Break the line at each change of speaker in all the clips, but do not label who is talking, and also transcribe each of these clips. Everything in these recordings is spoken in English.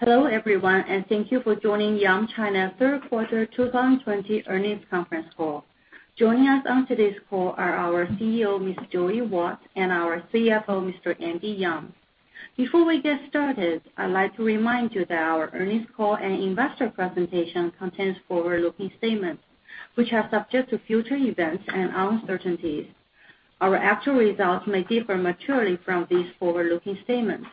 Hello, everyone. Thank you for joining Yum China third quarter 2020 earnings conference call. Joining us on today's call are our CEO, Ms. Joey Wat, and our CFO, Mr. Andy Yeung. Before we get started, I'd like to remind you that our earnings call and investor presentation contains forward-looking statements, which are subject to future events and uncertainties. Our actual results may differ materially from these forward-looking statements.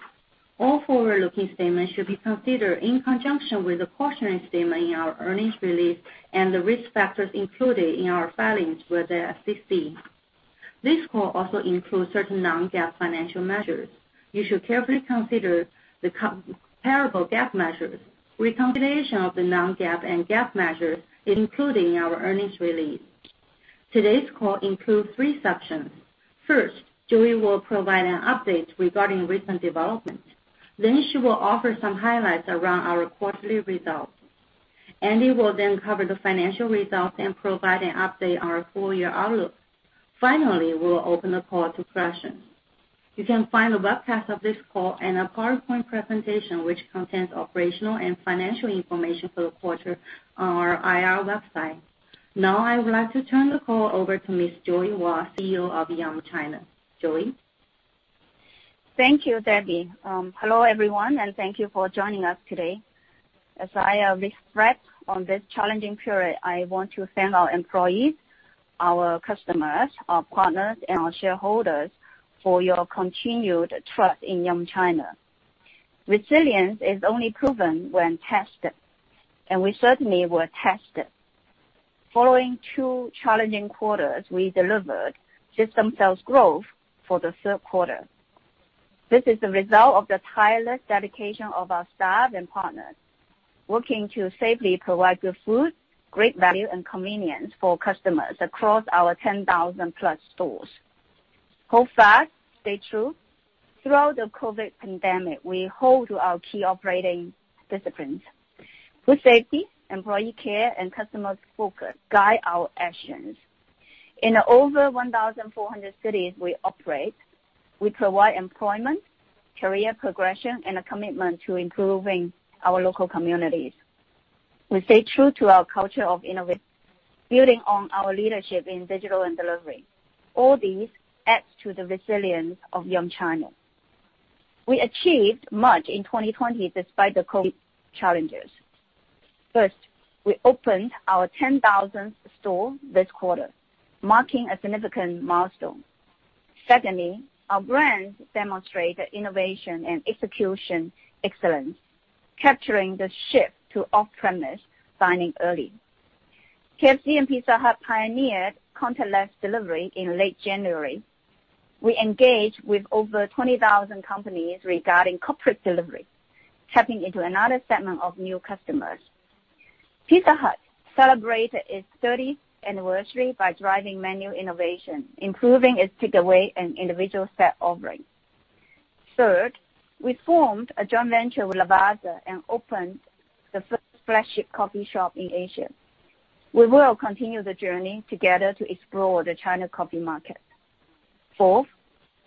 All forward-looking statements should be considered in conjunction with the cautionary statement in our earnings release and the risk factors included in our filings with the SEC. This call also includes certain non-GAAP financial measures. You should carefully consider the comparable GAAP measures. Reconciliation of the non-GAAP and GAAP measures is included in our earnings release. Today's call includes three sections. First, Joey will provide an update regarding recent development. She will offer some highlights around our quarterly results. Andy will cover the financial results and provide an update on our full-year outlook. We'll open the call to questions. You can find a webcast of this call and a PowerPoint presentation which contains operational and financial information for the quarter on our IR website. I would like to turn the call over to Ms. Joey Wat, CEO of Yum China. Joey?
Thank you, Debbie. Hello, everyone, and thank you for joining us today. As I reflect on this challenging period, I want to thank our employees, our customers, our partners, and our shareholders for your continued trust in Yum China. Resilience is only proven when tested, and we certainly were tested. Following two challenging quarters, we delivered system sales growth for the third quarter. This is the result of the tireless dedication of our staff and partners working to safely provide good food, great value, and convenience for customers across our 10,000+ stores. Go fast, stay true. Throughout the COVID pandemic, we hold to our key operating disciplines. Food safety, employee care, and customer focus guide our actions. In over 1,400 cities we operate, we provide employment, career progression, and a commitment to improving our local communities. We stay true to our culture of innovation, building on our leadership in digital and delivery. All these adds to the resilience of Yum China. We achieved much in 2020 despite the COVID challenges. First, we opened our 10,000th store this quarter, marking a significant milestone. Secondly, our brands demonstrated innovation and execution excellence, capturing the shift to off-premise dining early. KFC and Pizza Hut pioneered contactless delivery in late January. We engaged with over 20,000 companies regarding corporate delivery, tapping into another segment of new customers. Pizza Hut celebrated its 30th anniversary by driving menu innovation, improving its takeaway and individual set offerings. Third, we formed a joint venture with Lavazza and opened the first flagship coffee shop in Asia. We will continue the journey together to explore the China coffee market. Fourth,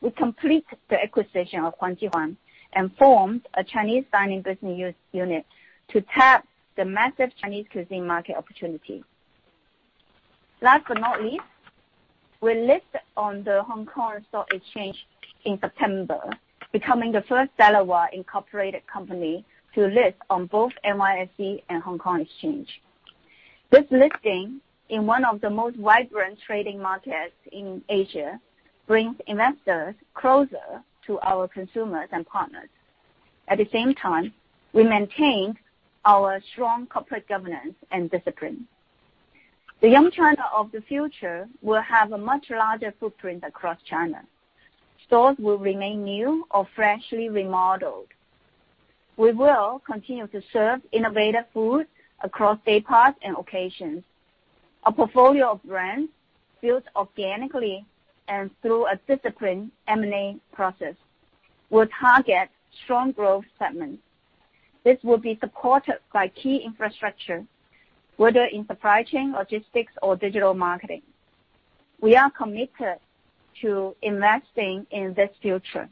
we complete the acquisition of Huang Ji Huang and formed a Chinese dining business unit to tap the massive Chinese cuisine market opportunity. Last but not least, we are listed on the Hong Kong Stock Exchange in September, becoming the first Delaware-incorporated company to list on both NYSE and Hong Kong Exchange. This listing in one of the most vibrant trading markets in Asia brings investors closer to our consumers and partners. At the same time, we maintain our strong corporate governance and discipline. The Yum China of the future will have a much larger footprint across China. Stores will remain new or freshly remodeled. We will continue to serve innovative food across day parts and occasions. A portfolio of brands built organically and through a disciplined M&A process will target strong growth segments. This will be supported by key infrastructure, whether in supply chain, logistics, or digital marketing. We are committed to investing in this future,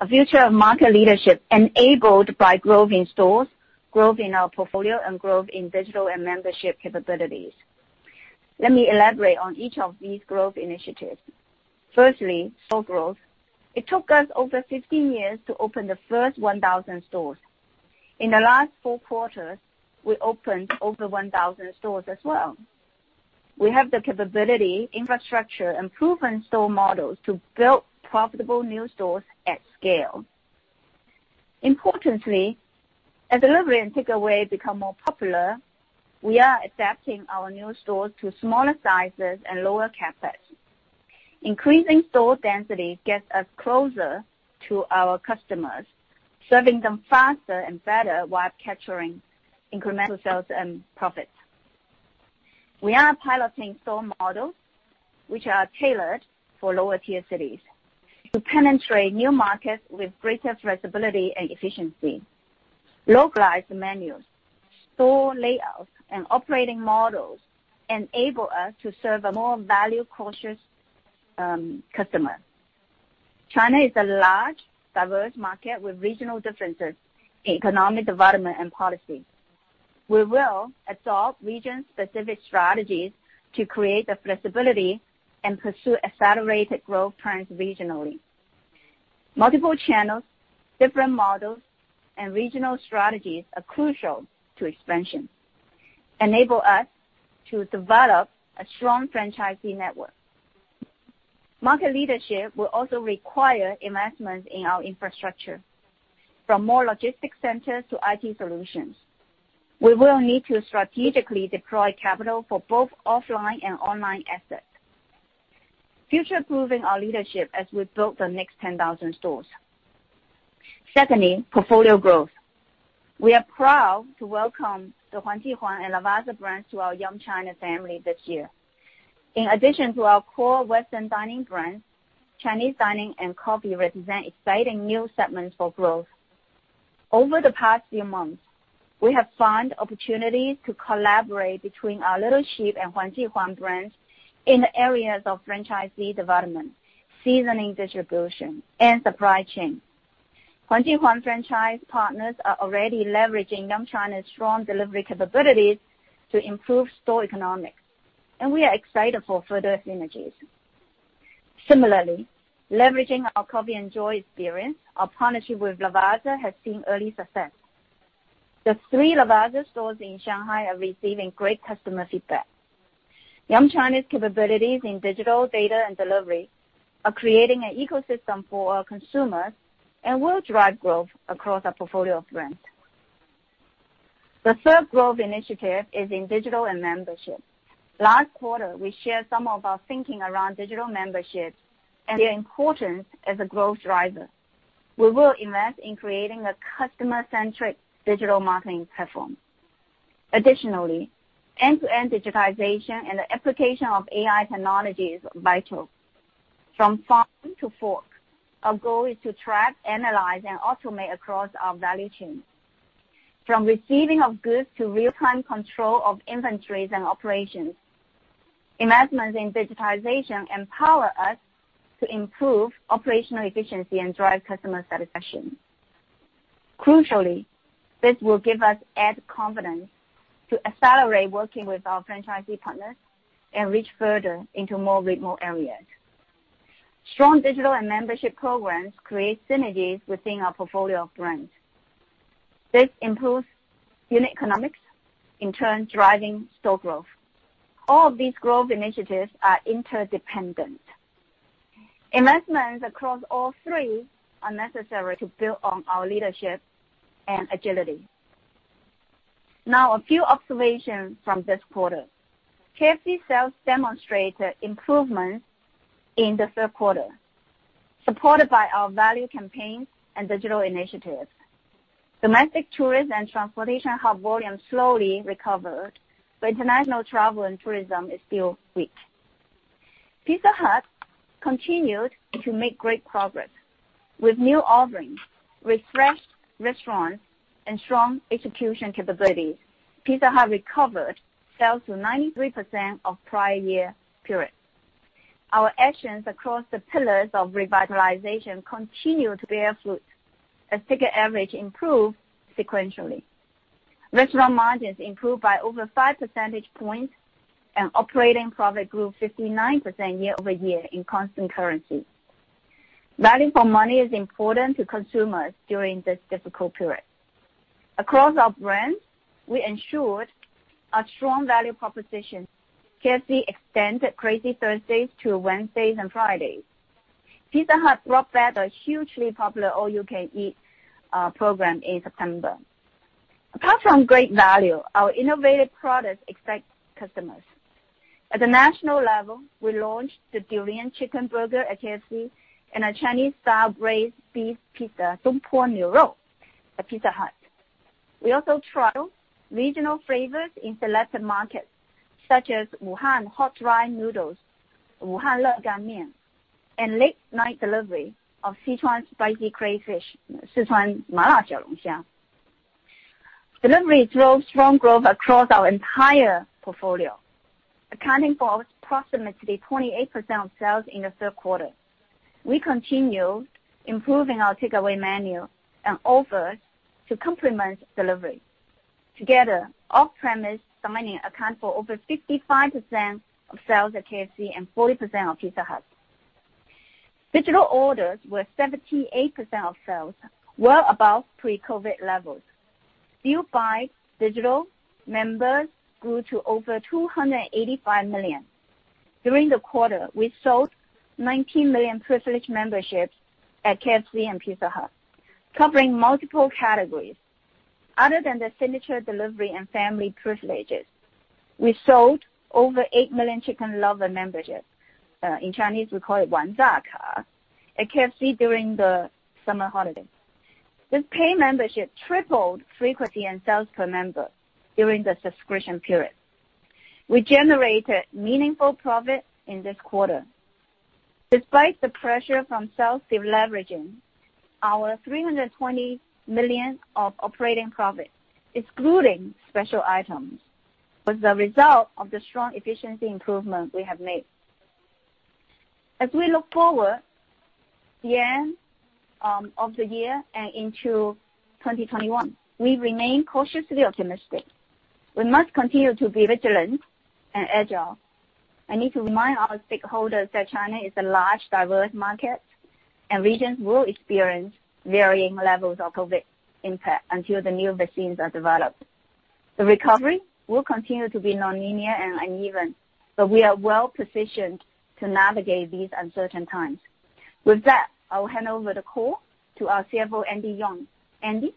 a future of market leadership enabled by growth in stores, growth in our portfolio, and growth in digital and membership capabilities. Let me elaborate on each of these growth initiatives. Firstly, store growth. It took us over 15 years to open the first 1,000 stores. In the last four quarters, we opened over 1,000 stores as well. We have the capability, infrastructure, and proven store models to build profitable new stores at scale. Importantly, as delivery and takeaway become more popular, we are adapting our new stores to smaller sizes and lower CapEx. Increasing store density gets us closer to our customers, serving them faster and better while capturing incremental sales and profits. We are piloting store models which are tailored for lower-tier cities to penetrate new markets with greater flexibility and efficiency. Localized menus, store layouts and operating models enable us to serve a more value-conscious customer. China is a large, diverse market with regional differences in economic development and policy. We will adopt region-specific strategies to create the flexibility and pursue accelerated growth trends regionally. Multiple channels, different models, and regional strategies are crucial to expansion, enable us to develop a strong franchisee network. Market leadership will also require investments in our infrastructure, from more logistic centers to IT solutions. We will need to strategically deploy capital for both offline and online assets. Future-proofing our leadership as we build the next 10,000 stores. Secondly, portfolio growth. We are proud to welcome the Huang Ji Huang and Lavazza brands to our Yum China family this year. In addition to our core Western dining brands, Chinese dining and coffee represent exciting new segments for growth. Over the past few months, we have found opportunities to collaborate between our Little Sheep and Huang Ji Huang brands in the areas of franchisee development, seasoning distribution, and supply chain. Huang Ji Huang franchise partners are already leveraging Yum China's strong delivery capabilities to improve store economics, and we are excited for further synergies. Similarly, leveraging our COFFii & JOY experience, our partnership with Lavazza has seen early success. The three Lavazza stores in Shanghai are receiving great customer feedback. Yum China's capabilities in digital data and delivery are creating an ecosystem for our consumers and will drive growth across our portfolio of brands. The third growth initiative is in digital and membership. Last quarter, we shared some of our thinking around digital memberships and their importance as a growth driver. We will invest in creating a customer-centric digital marketing platform. Additionally, end-to-end digitization and the application of AI technology is vital. From farm to fork, our goal is to track, analyze, and automate across our value chain. From receiving of goods to real-time control of inventories and operations, investments in digitization empower us to improve operational efficiency and drive customer satisfaction. Crucially, this will give us added confidence to accelerate working with our franchisee partners and reach further into more remote areas. Strong digital and membership programs create synergies within our portfolio of brands. This improves unit economics, in turn, driving store growth. All of these growth initiatives are interdependent. Investments across all three are necessary to build on our leadership and agility. Now, a few observations from this quarter. KFC sales demonstrated improvements in the third quarter, supported by our value campaigns and digital initiatives. Domestic tourism and transportation have volume slowly recovered. International travel and tourism is still weak. Pizza Hut continued to make great progress. With new offerings, refreshed restaurants, and strong execution capabilities, Pizza Hut recovered sales to 93% of prior year period. Our actions across the pillars of revitalization continue to bear fruit as ticket average improved sequentially. Restaurant margins improved by over 5 percentage points. Operating profit grew 59% year-over-year in constant currency. Value for money is important to consumers during this difficult period. Across our brands, we ensured a strong value proposition. KFC extended Crazy Thursday to Wednesdays and Fridays. Pizza Hut brought back a hugely popular All You Can Eat program in September. Apart from great value, our innovative products excite customers. At the national level, we launched the Durian Chicken Burger at KFC and a Chinese-style Braised Beef Pizza, Dongpo Niurou, at Pizza Hut. We also trialed regional flavors in selected markets, such as Wuhan Hot Dry Noodles, Wuhan Re Gan Mian, and late-night delivery of Sichuan Spicy Crayfish, Sichuan Ma La Xiao Long Xia. Delivery drove strong growth across our entire portfolio, accounting for approximately 28% of sales in the third quarter. We continue improving our takeaway menu and offers to complement delivery. Together, off-premise dining account for over 55% of sales at KFC and 40% of Pizza Hut. Digital orders were 78% of sales, well above pre-COVID levels. Fueled by digital, members grew to over 285 million. During the quarter, we sold 19 million Privilege memberships at KFC and Pizza Hut, covering multiple categories. Other than the signature delivery and Family privileges, we sold over 8 million Chicken Lovers memberships. In Chinese, we call it Wangzha Ka, at KFC during the summer holiday. This paid membership tripled frequency and sales per member during the subscription period. We generated meaningful profit in this quarter. Despite the pressure from sales deleveraging, our 320 million of operating profit, excluding special items, was the result of the strong efficiency improvement we have made. As we look forward, the end of the year and into 2021, we remain cautiously optimistic. We must continue to be vigilant and agile. I need to remind our stakeholders that China is a large, diverse market, and regions will experience varying levels of COVID impact until the new vaccines are developed. The recovery will continue to be nonlinear and uneven, but we are well-positioned to navigate these uncertain times. With that, I will hand over the call to our CFO, Andy Yeung. Andy?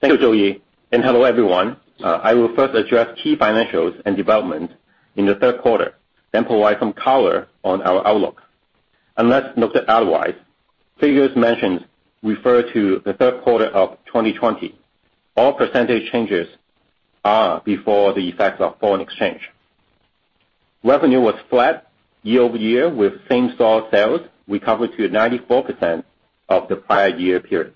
Thank you, Joey, and hello, everyone. I will first address key financials and development in the third quarter, then provide some color on our outlook. Unless noted otherwise, figures mentioned refer to the third quarter of 2020. All percentage changes are before the effects of foreign exchange. Revenue was flat year-over-year with same-store sales recovered to 94% of the prior year period.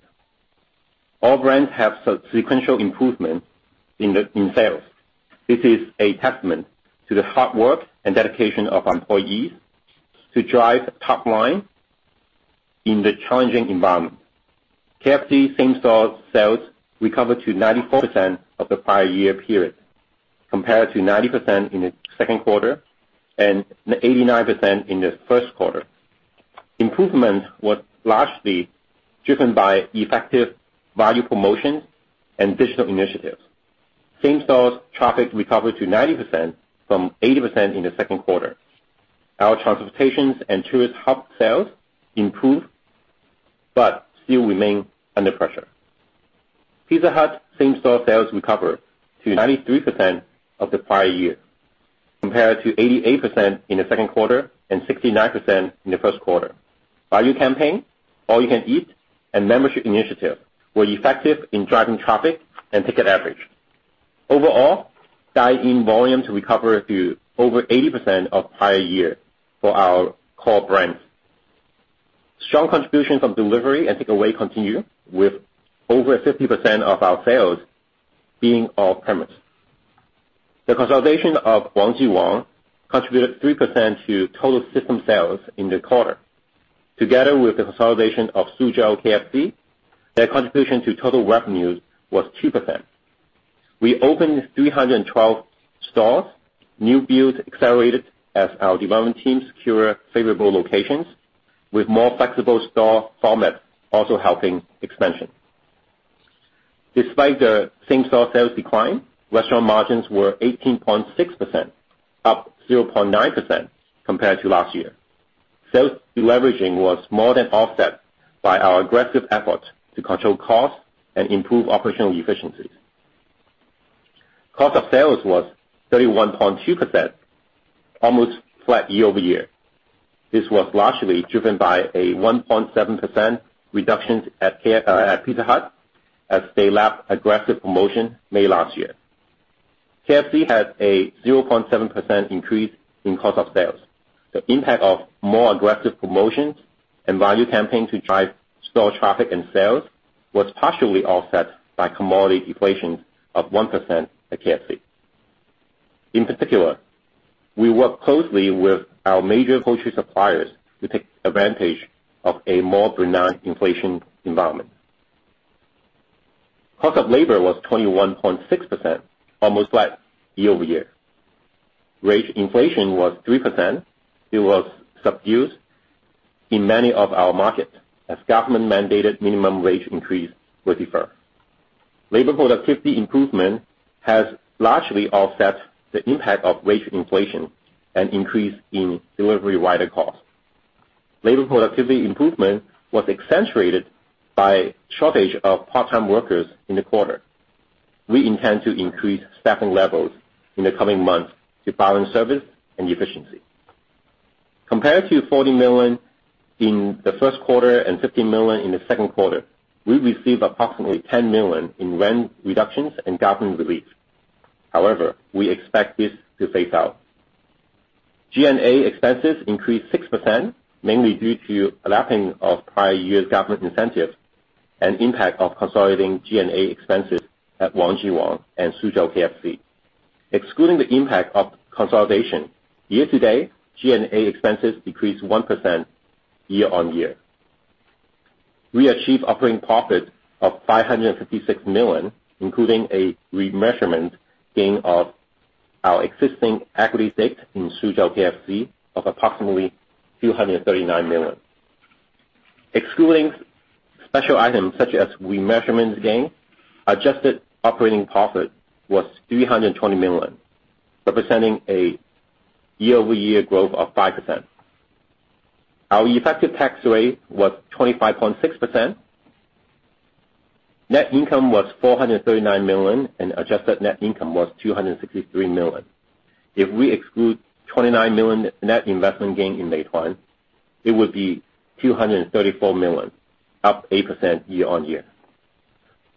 All brands have sequential improvement in sales. This is a testament to the hard work and dedication of our employees to drive top-line in the challenging environment. KFC same-store sales recovered to 94% of the prior year period compared to 90% in the second quarter and 89% in the first quarter. Improvement was largely driven by effective value promotions and digital initiatives. Same-store traffic recovered to 90% from 80% in the second quarter. Our transportations and tourist hub sales improved but still remain under pressure. Pizza Hut same-store sales recovered to 93% of the prior year compared to 88% in the second quarter and 69% in the first quarter. Value campaign, All You Can Eat, and membership initiative were effective in driving traffic and ticket average. Overall, dine-in volumes recovered to over 80% of prior year for our core brands. Strong contributions from delivery and takeaway continue, with over 50% of our sales being off-premise. The consolidation of Huang Ji Huang contributed 3% to total system sales in the quarter. Together with the consolidation of Suzhou KFC, their contribution to total revenues was 2%. We opened 312 stores. New builds accelerated as our development teams secure favorable locations, with more flexible store formats also helping expansion. Despite the same-store sales decline, restaurant margins were 18.6%, up 0.9% compared to last year. Sales deleveraging was more than offset by our aggressive efforts to control costs and improve operational efficiencies. Cost of sales was 31.2%, almost flat year-over-year. This was largely driven by a 1.7% reduction at Pizza Hut as they lapped aggressive promotion made last year. KFC had a 0.7% increase in cost of sales. The impact of more aggressive promotions and value campaigns to drive store traffic and sales was partially offset by commodity inflation of 1% at KFC. In particular, we work closely with our major poultry suppliers to take advantage of a more benign inflation environment. Cost of labor was 21.6%, almost flat year-over-year. Wage inflation was 3%. It was subdued in many of our markets as government-mandated minimum wage increase were deferred. Labor productivity improvement has largely offset the impact of wage inflation and increase in delivery rider cost. Labor productivity improvement was accentuated by shortage of part-time workers in the quarter. We intend to increase staffing levels in the coming months to balance service and efficiency. Compared to 40 million in the first quarter and 15 million in the second quarter, we received approximately 10 million in rent reductions and government relief. We expect this to phase out. G&A expenses increased 6%, mainly due to a lapping of prior year's government incentives and impact of consolidating G&A expenses at Huang Ji Huang and Suzhou KFC. Excluding the impact of consolidation, year to date, G&A expenses decreased 1% year-on-year. We achieved operating profit of 556 million, including a remeasurement gain of our existing equity stake in Suzhou KFC of approximately 239 million. Excluding special items such as remeasurement gain, adjusted operating profit was 320 million, representing a year-over-year growth of 5%. Our effective tax rate was 25.6%. Net income was 439 million, and adjusted net income was 263 million. If we exclude 29 million net investment gain in Meituan, it would be 234 million, up 8% year-on-year.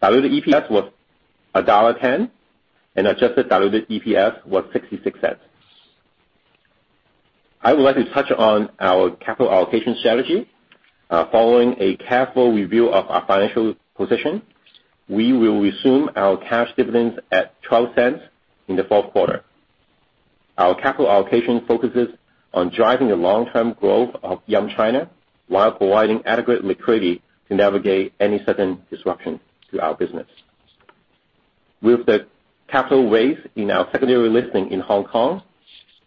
Diluted EPS was $1.10, and adjusted diluted EPS was $0.66. I would like to touch on our capital allocation strategy. Following a careful review of our financial position, we will resume our cash dividends at $0.12 in the fourth quarter. Our capital allocation focuses on driving the long-term growth of Yum China while providing adequate liquidity to navigate any sudden disruption to our business. With the capital raised in our secondary listing in Hong Kong,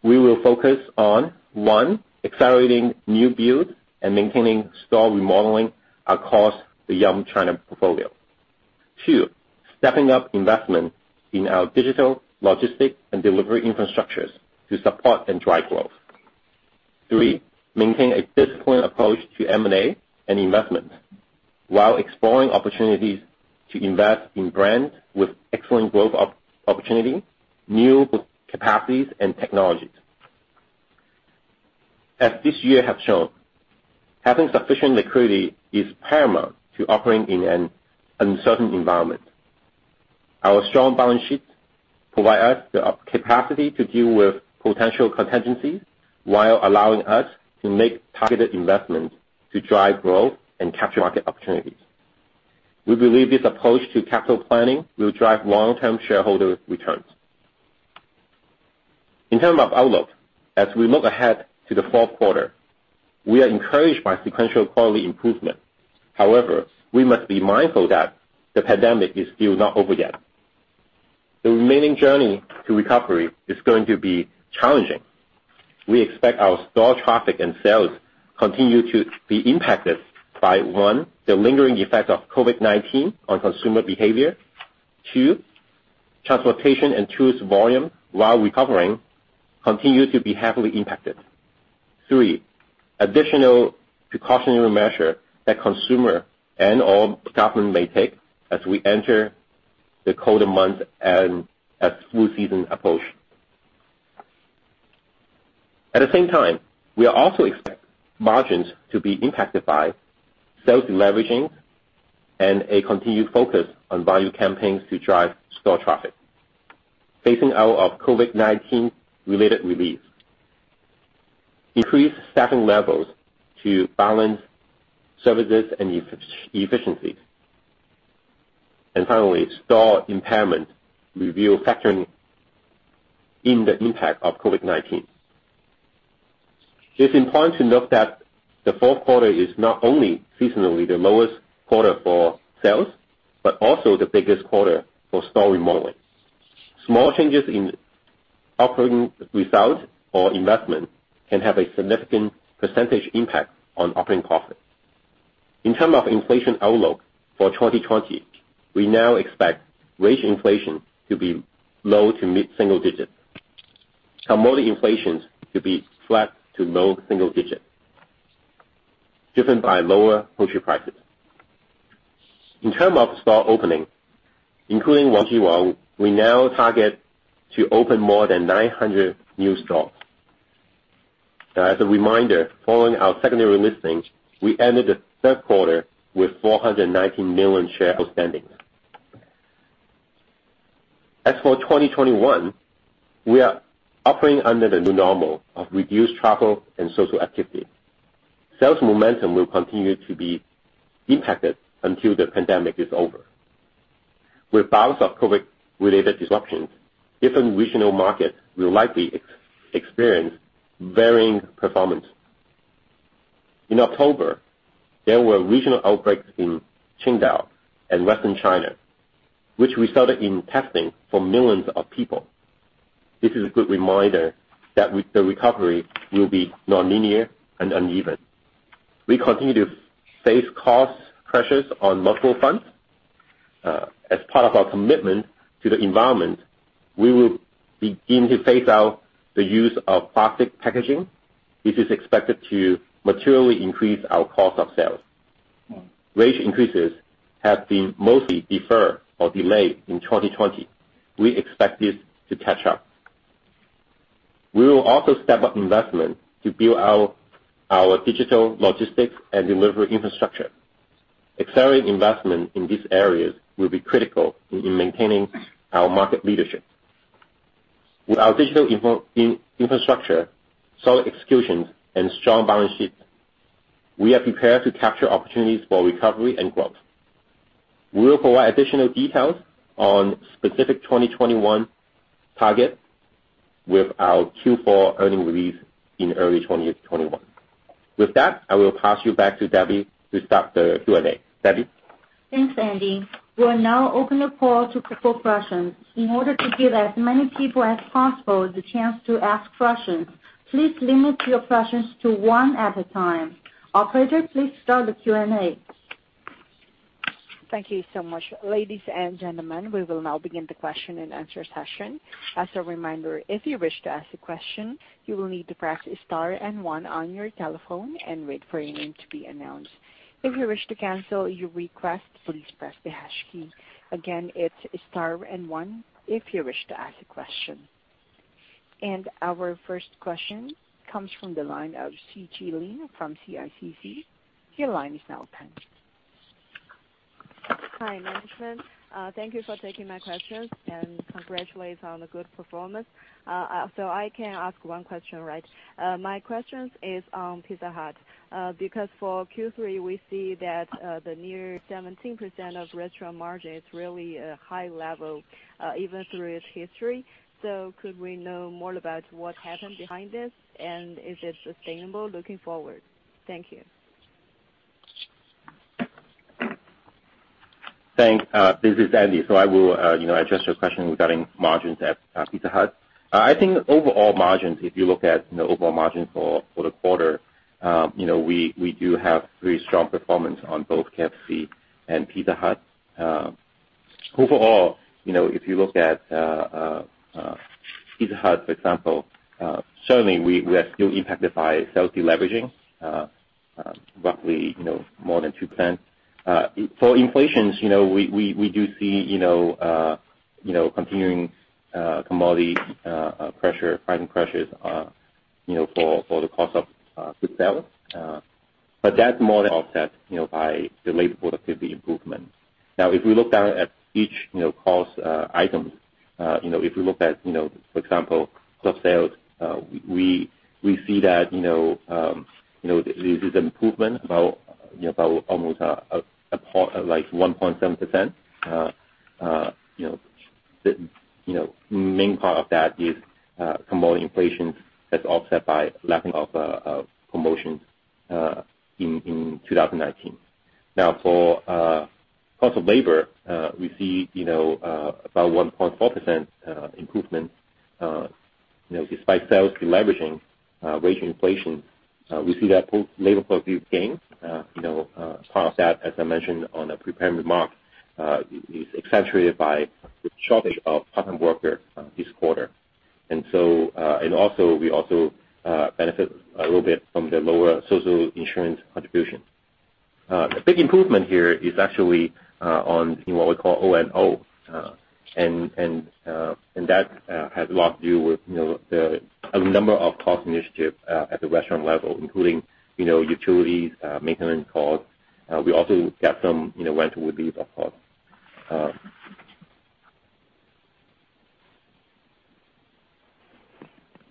we will focus on, one, accelerating new builds and maintaining store remodeling across the Yum China portfolio. Two, stepping up investment in our digital logistics and delivery infrastructures to support and drive growth. Three, maintain a disciplined approach to M&A and investment while exploring opportunities to invest in brands with excellent growth opportunity, new capacities, and technologies. As this year has shown, having sufficient liquidity is paramount to operating in an uncertain environment. Our strong balance sheet provide us the capacity to deal with potential contingencies while allowing us to make targeted investments to drive growth and capture market opportunities. We believe this approach to capital planning will drive long-term shareholder returns. In terms of outlook, as we look ahead to the fourth quarter, we are encouraged by sequential quarterly improvement. However, we must be mindful that the pandemic is still not over yet. The remaining journey to recovery is going to be challenging. We expect our store traffic and sales continue to be impacted by, one, the lingering effect of COVID-19 on consumer behavior. Two, transportation and tourist volume, while recovering, continue to be heavily impacted. Three, additional precautionary measure that consumer and/or government may take as we enter the colder months and as flu season approaches. At the same time, we also expect margins to be impacted by sales deleveraging and a continued focus on value campaigns to drive store traffic. Phasing out of COVID-19 related relief. Increased staffing levels to balance services and efficiencies. Finally, store impairment review factoring in the impact of COVID-19. It's important to note that the fourth quarter is not only seasonally the lowest quarter for sales, but also the biggest quarter for store remodeling. Small changes in operating results or investment can have a significant percentage impact on operating profit. In terms of inflation outlook for 2020, we now expect wage inflation to be low- to mid-single-digit. Commodity inflation to be flat to low-single-digit, driven by lower poultry prices. In terms of store opening, including Huang Ji Huang, we now target to open more than 900 new stores. As a reminder, following our secondary listing, we ended the third quarter with 419 million shares outstanding. As for 2021, we are operating under the new normal of reduced travel and social activity. Sales momentum will continue to be impacted until the pandemic is over. With bouts of COVID-related disruptions, different regional markets will likely experience varying performance. In October, there were regional outbreaks in Qingdao and Western China, which resulted in testing for millions of people. This is a good reminder that the recovery will be non-linear and uneven. We continue to face cost pressures on multiple fronts. As part of our commitment to the environment, we will begin to phase out the use of plastic packaging, which is expected to materially increase our cost of sales. Wage increases have been mostly deferred or delayed in 2020. We expect this to catch up. We will also step up investment to build out our digital logistics and delivery infrastructure. Accelerating investment in these areas will be critical in maintaining our market leadership. With our digital infrastructure, solid execution, and strong balance sheet, we are prepared to capture opportunities for recovery and growth. We will provide additional details on specific 2021 targets with our Q4 earnings release in early 2021. I will pass you back to Debbie to start the Q&A. Debbie?
Thanks, Andy. We'll now open the call to proposed questions. In order to give as many people as possible the chance to ask questions, please limit your questions to one at a time. Operator, please start the Q&A.
Thank you so much. Ladies and gentlemen, we will now begin the question and answer session. As a reminder, if you wish to ask a question, you will need to press star and one on your telephone and wait for your name to be announced. If you wish to cancel your request, please press the hash key. Again, it's star and one if you wish to ask a question. Our first question comes from the line of Sijie Lin from CICC. Your line is now open.
Hi, management. Thank you for taking my questions and congratulate on the good performance. I can ask one question, right? My question is on Pizza Hut. For Q3, we see that the near 17% of restaurant margin is really a high level, even through its history. Could we know more about what happened behind this, and is it sustainable looking forward? Thank you.
Thanks. This is Andy. I will address your question regarding margins at Pizza Hut. I think overall margins, if you look at the overall margins for the quarter, we do have pretty strong performance on both KFC and Pizza Hut. Overall, if you look at Pizza Hut, for example, certainly we are still impacted by sales deleveraging, roughly more than 2%. For inflations, we do see continuing commodity pressure, pricing pressures, for the cost of sales. That's more than offset by the labor productivity improvements. If we look down at each cost item, if we look at, for example, cost of sales, we see that there is an improvement about almost like 1.7%. The main part of that is commodity inflation that's offset by lapping of promotions in 2019. For cost of labor, we see about 1.4% improvement. Despite sales deleveraging, wage inflation, we see that labor productivity gains. Part of that, as I mentioned on the prepared remarks, is accentuated by the shortage of part-time workers this quarter. Also, we also benefit a little bit from the lower social insurance contribution. A big improvement here is actually on what we call O&O, and that has a lot to do with a number of cost initiatives at the restaurant level, including utilities, maintenance cost. We also got some rental relief of cost.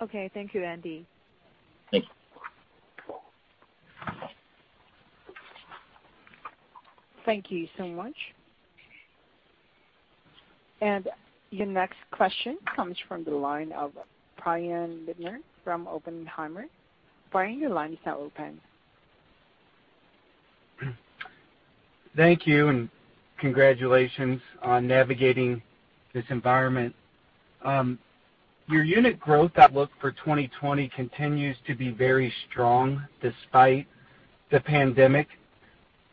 Okay. Thank you, Andy.
Thanks.
Thank you so much. Your next question comes from the line of Brian Bittner from Oppenheimer. Brian, your line is now open.
Thank you, and congratulations on navigating this environment. Your unit growth outlook for 2020 continues to be very strong despite the pandemic.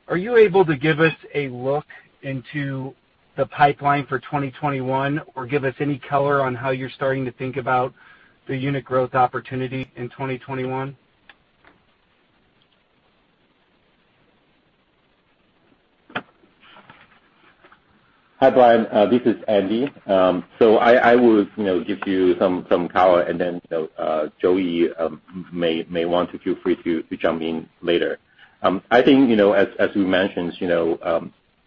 Are you able to give us a look into the pipeline for 2021 or give us any color on how you're starting to think about the unit growth opportunity in 2021?
Hi, Brian. This is Andy. I will give you some color and then Joey may want to feel free to jump in later. I think, as we mentioned,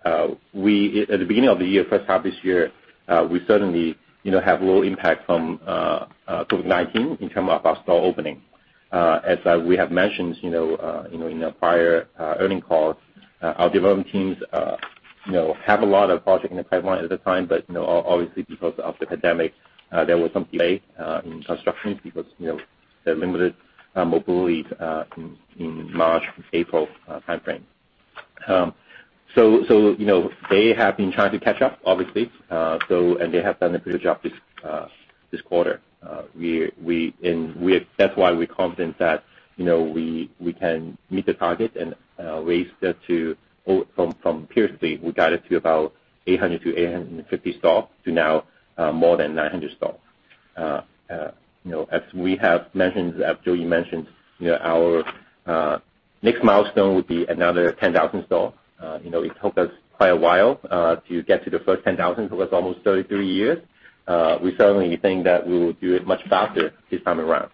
at the beginning of the year, first half of this year, we certainly have low impact from COVID-19 in terms of our store opening. As we have mentioned in our prior earnings calls, our development teams have a lot of projects in the pipeline at the time, but obviously because of the pandemic, there was some delay in construction because the limited mobility in March and April time frame. They have been trying to catch up, obviously. They have done a good job this quarter. That's why we're confident that we can meet the target and raise that to, from previously, we guided to about 800-850 stores to now more than 900 stores. As Joey mentioned, our next milestone would be another 10,000 stores. It took us quite a while to get to the first 10,000. It was almost 33 years. We certainly think that we will do it much faster this time around.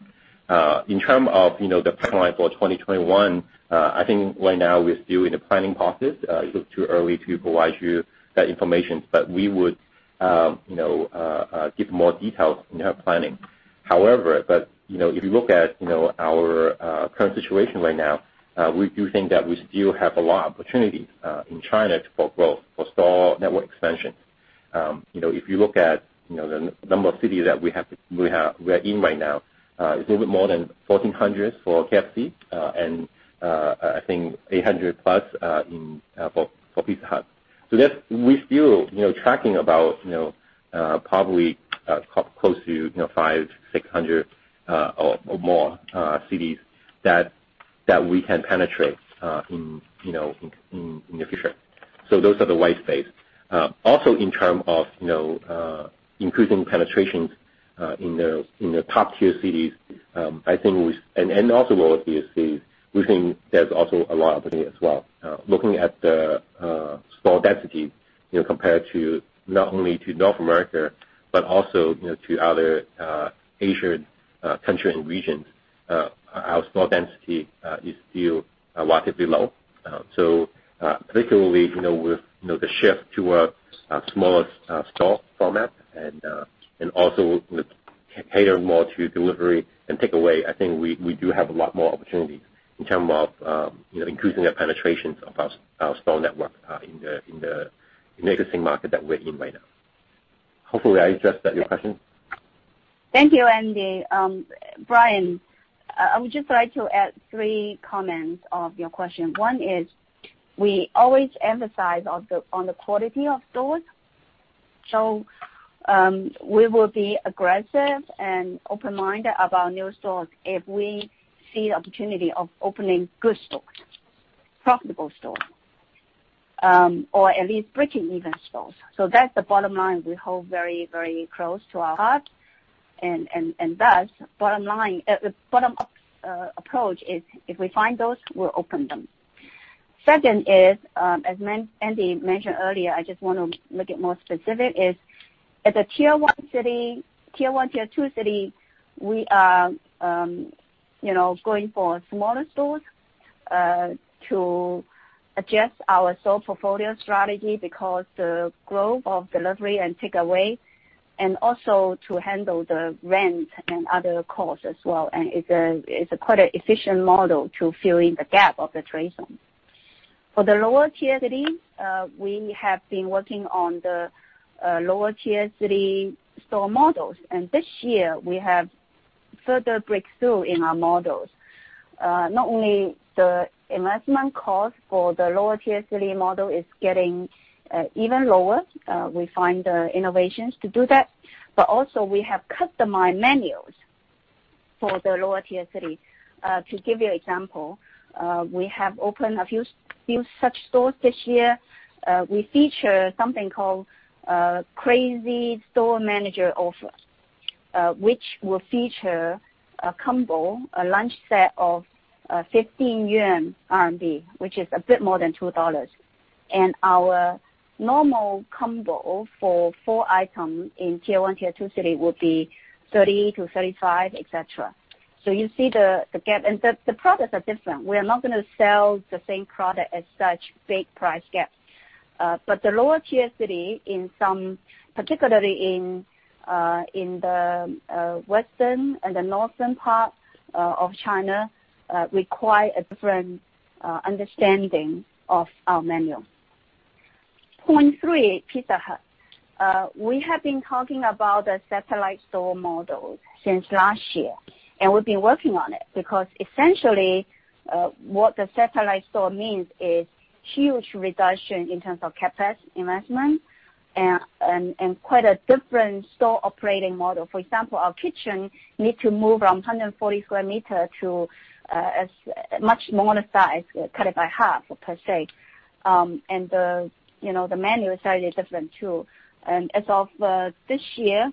In terms of the pipeline for 2021, I think right now we're still in the planning process. It's too early to provide you that information, but we would give more details in our planning. If you look at our current situation right now, we do think that we still have a lot of opportunity in China for growth, for store network expansion. If you look at the number of cities that we're in right now, it's a little more than 1,400 for KFC and I think 800+ for Pizza Hut. We're still tracking about probably close to 500-600 or more cities that we can penetrate in the future. Those are the white space. Also, in term of increasing penetration in the top tier cities, and also lower tier cities, we think there's also a lot of opportunity as well. Looking at the store density compared to not only to North America, but also to other Asian countries and regions, our store density is still relatively low. Particularly, with the shift to a smaller store format and also with cater more to delivery and takeaway, I think we do have a lot more opportunities in terms of increasing the penetration of our store network in the existing market that we're in right now. Hopefully, I addressed that your question.
Thank you, Andy. Brian, I would just like to add three comments on your question. One is, we always emphasize on the quality of stores. We will be aggressive and open-minded about new stores if we see the opportunity of opening good stores, profitable stores, or at least breaking even stores. That's the bottom line we hold very close to our hearts. Thus, bottom-up approach is if we find those, we'll open them. Second is, as Andy mentioned earlier, I just want to make it more specific is, at the Tier 1, Tier 2 city, we are going for smaller stores to adjust our store portfolio strategy because the growth of delivery and takeaway, and also to handle the rent and other costs as well. It's quite an efficient model to fill in the gap of the trade zone. For the lower tier cities, we have been working on the lower tier city store models, this year we have further breakthrough in our models. Not only the investment cost for the lower tier city model is getting even lower, we find the innovations to do that, but also we have customized menus for the lower tier cities. To give you example, we have opened a few such stores this year. We feature something called Crazy Store Manager Offer, which will feature a combo, a lunch set of 15 yuan, which is a bit more than $2. Our normal combo for four item in Tier 1, Tier 2 city will be 30-35, et cetera. So you see the gap. The products are different. We are not going to sell the same product at such big price gap. The lower-tier city, particularly in the western and northern part of China, require a different understanding of our menu. Point 3, Pizza Hut. We have been talking about the satellite store model since last year, and we've been working on it, because essentially, what the satellite store means is huge reduction in terms of CapEx investment and quite a different store operating model. For example, our kitchen need to move from 140 square meters to a much smaller size, cut it by half per se. And the menu is slightly different, too. As of this year,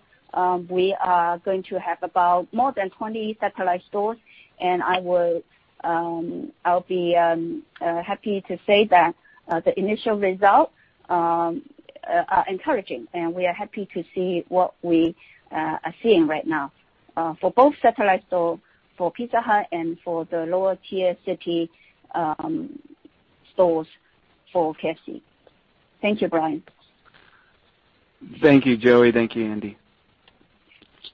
we are going to have about more than 20 satellite stores, and I'll be happy to say that the initial results are encouraging, and we are happy to see what we are seeing right now, for both satellite store for Pizza Hut and for the lower tier city stores for KFC. Thank you, Brian.
Thank you, Joey. Thank you, Andy.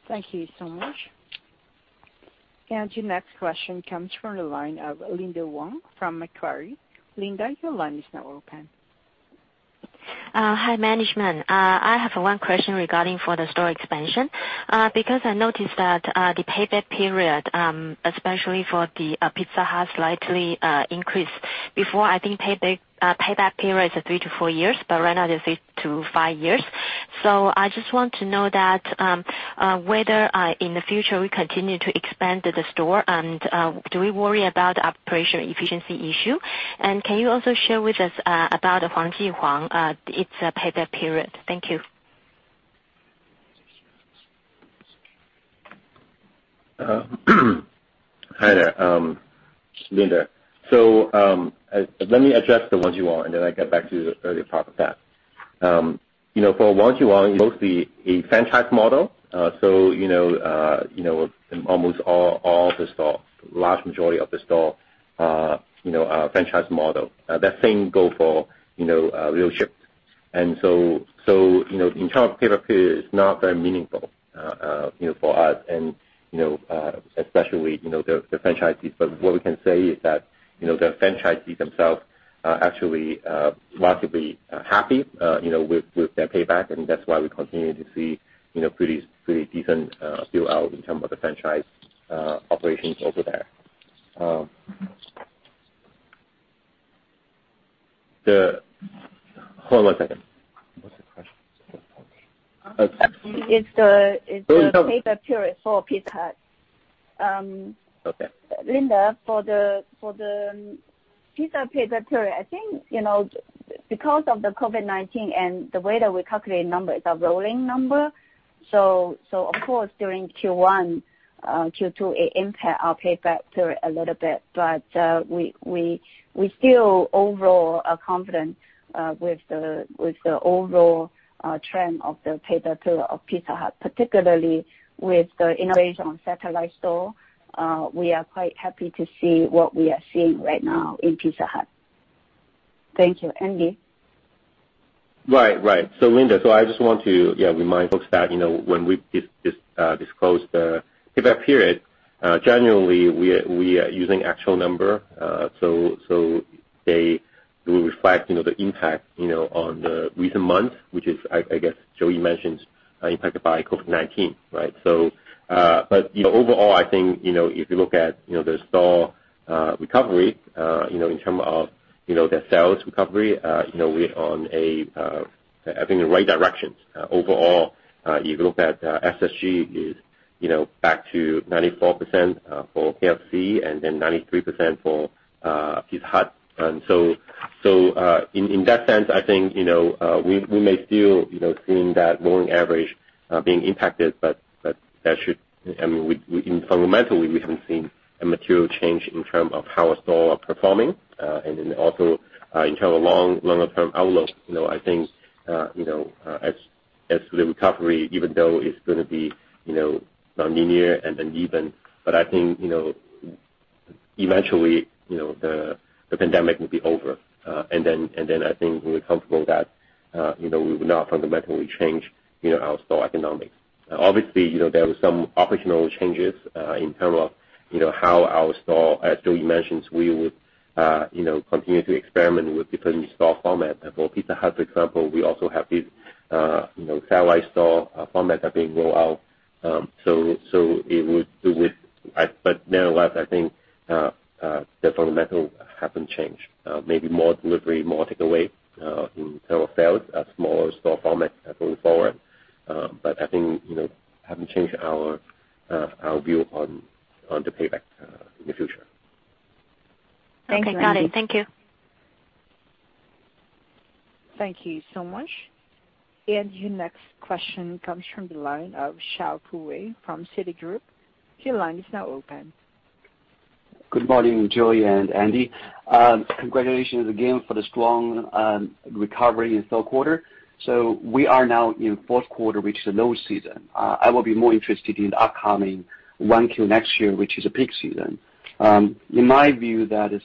Thank you so much. Your next question comes from the line of Linda Huang from Macquarie. Linda, your line is now open.
Hi, management. I have one question regarding for the store expansion. Because I noticed that the payback period, especially for the Pizza Hut, slightly increased. Before, I think payback period is three to four years, but right now it is three to five years. I just want to know that whether in the future we continue to expand the store, and do we worry about operation efficiency issue? Can you also share with us about the Huang Ji Huang, its payback period? Thank you.
Hi there, Linda. Let me address the Huang Ji Huang, and then I get back to the earlier part of that. For Huang Ji Huang, mostly a franchise model. Almost all the store, large majority of the store are franchise model. That same go for Real Pizza. In terms of payback period, it's not very meaningful for us and especially the franchisees. What we can say is that the franchisees themselves are actually relatively happy with their payback, and that's why we continue to see pretty decent build out in terms of the franchise operations over there. Hold on one second. What's the question? Okay.
It's the-
Oh, sorry.
Payback period for Pizza Hut.
Okay.
Linda, for the Pizza payback period, I think because of the COVID-19 and the way that we calculate numbers, a rolling number. Of course, during Q1, Q2, it impact our payback period a little bit. We still overall are confident with the overall trend of the payback period of Pizza Hut, particularly with the innovation on satellite store. We are quite happy to see what we are seeing right now in Pizza Hut. Thank you. Andy?
Right. Linda, I just want to remind folks that when we disclose the payback period, generally, we are using actual number. They will reflect the impact on the recent month, which is, I guess Joey mentioned, impacted by COVID-19, right? Overall, I think, if you look at the store recovery, in terms of the sales recovery, we're on a, I think, the right direction. Overall, if you look at SSG is back to 94% for KFC, 93% for Pizza Hut. In that sense, I think, we may still seeing that rolling average being impacted, but fundamentally, we haven't seen a material change in terms of how our store are performing. Also in terms of longer-term outlook, I think as the recovery, even though it's going to be non-linear and uneven, but I think eventually, the pandemic will be over. I think we're comfortable that we will not fundamentally change our store economics. Obviously, there were some operational changes in terms of how our store, as Joey mentioned, we would continue to experiment with different store format. For Pizza Hut, for example, we also have these satellite store format are being rolled out. Nevertheless, I think the fundamental haven't changed. Maybe more delivery, more takeaway, in terms of sales, a smaller store format going forward. I think haven't changed our view on the payback in the future.
Okay, got it. Thank you.
Thank you so much. Your next question comes from the line of Xiaopo Wei from Citigroup. Your line is now open.
Good morning, Joey and Andy. Congratulations again for the strong recovery in third quarter. We are now in fourth quarter, which is a low season. I will be more interested in the upcoming 1Q next year, which is a peak season. In my view, that is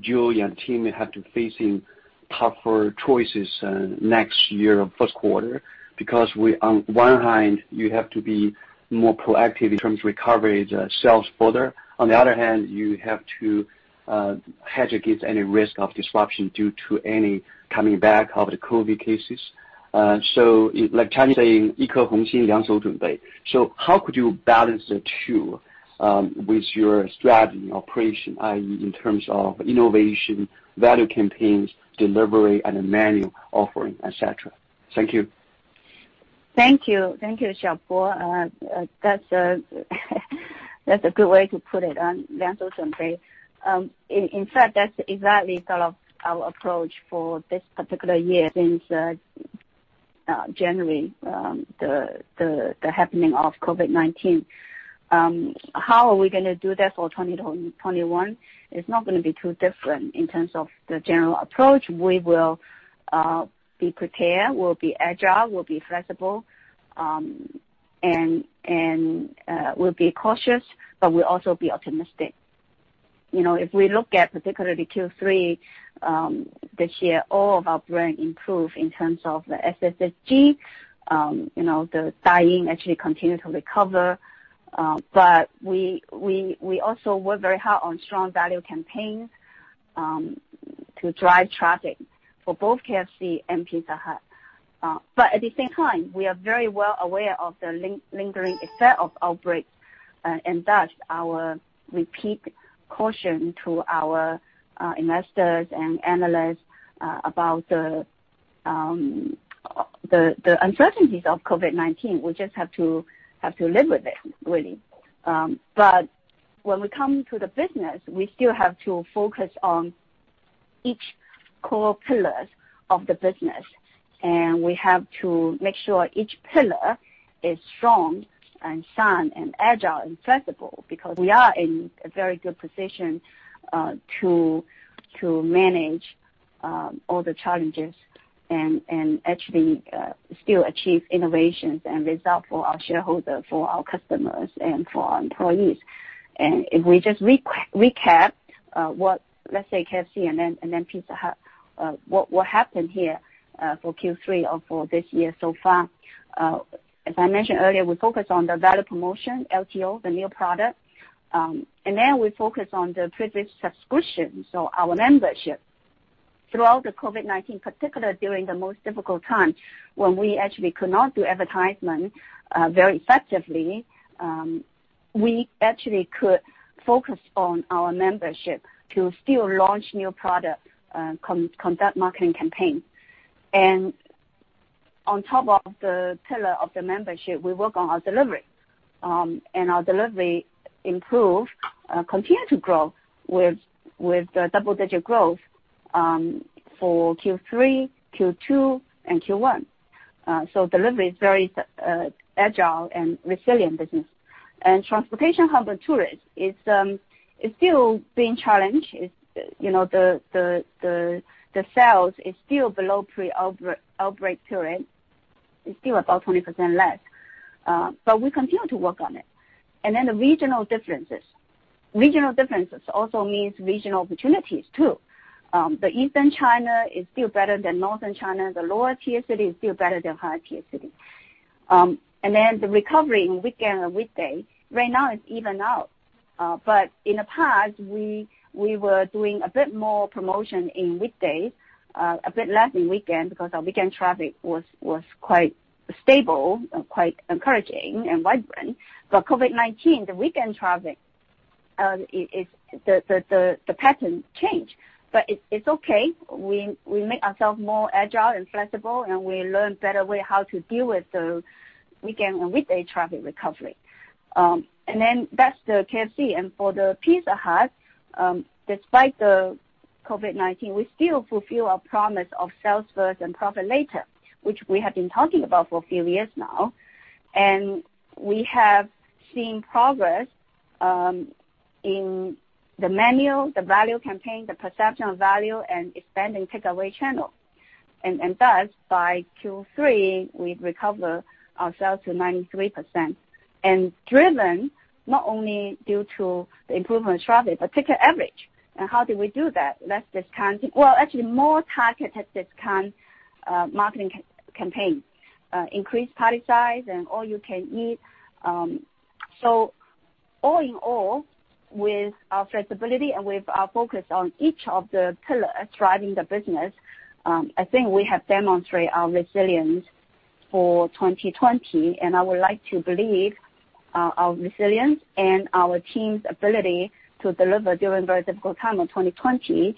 Joey and team have to facing tougher choices next year, first quarter, because on one hand, you have to be more proactive in terms of recovery the sales further. On the other hand, you have to hedge against any risk of disruption due to any coming back of the COVID cases. Like Chinese saying, how could you balance the two with your strategy operation, i.e., in terms of innovation, value campaigns, delivery, and menu offering, et cetera? Thank you.
Thank you, Xiaopo Wei. That's a good way to put it. In fact, that's exactly sort of our approach for this particular year since January, the happening of COVID-19. How are we gonna do that for 2021? It's not gonna be too different in terms of the general approach. We will be prepared, we'll be agile, we'll be flexible, and we'll be cautious, but we'll also be optimistic. If we look at particularly Q3 this year, all of our brand improved in terms of the SSSG. The dine-in actually continued to recover. We also worked very hard on strong value campaign to drive traffic for both KFC and Pizza Hut. At the same time, we are very well aware of the lingering effect of outbreaks, and thus our repeat caution to our investors and analysts about the uncertainties of COVID-19. We just have to live with it, really. When we come to the business, we still have to focus on each core pillars of the business, and we have to make sure each pillar is strong and sound and agile and flexible, because we are in a very good position to manage all the challenges and actually still achieve innovations and result for our shareholder, for our customers, and for our employees. If we just recap, let's say KFC and then Pizza Hut, what happened here for Q3 or for this year so far. As I mentioned earlier, we focus on the value promotion, LTO, the new product, and then we focus on the privilege subscription, so our membership. Throughout the COVID-19, particular during the most difficult time, when we actually could not do advertisement very effectively, we actually could focus on our membership to still launch new product, conduct marketing campaign. On top of the pillar of the membership, we work on our delivery. Our delivery improved, continued to grow with double-digit growth for Q3, Q2, and Q1. Delivery is very agile and resilient business. Transportation of the tourist is still being challenged. The sales is still below pre-outbreak period. It's still about 20% less. We continue to work on it. The regional differences. Regional differences also means regional opportunities too. Eastern China is still better than Northern China. The lower tier city is still better than higher tier city. The recovery in weekend and weekday, right now it's even out. In the past, we were doing a bit more promotion in weekdays, a bit less in weekend, because our weekend traffic was quite stable, quite encouraging and vibrant. COVID-19, the weekend traffic, the pattern changed. It's okay. We make ourselves more agile and flexible, we learn better way how to deal with the weekend and weekday traffic recovery. Then that's the KFC. For the Pizza Hut, despite the COVID-19, we still fulfill our promise of sales first and profit later, which we have been talking about for a few years now. We have seen progress in the menu, the value campaign, the perception of value and expanding takeaway channel. Thus, by Q3, we've recovered our sales to 93%, and driven not only due to the improvement of traffic, but ticket average. How do we do that? Less discounting. Well, actually, more targeted discount marketing campaign. Increased party size and All You Can Eat. All in all, with our flexibility and with our focus on each of the pillars driving the business, I think we have demonstrated our resilience for 2020, and I would like to believe our resilience and our team's ability to deliver during very difficult time of 2020,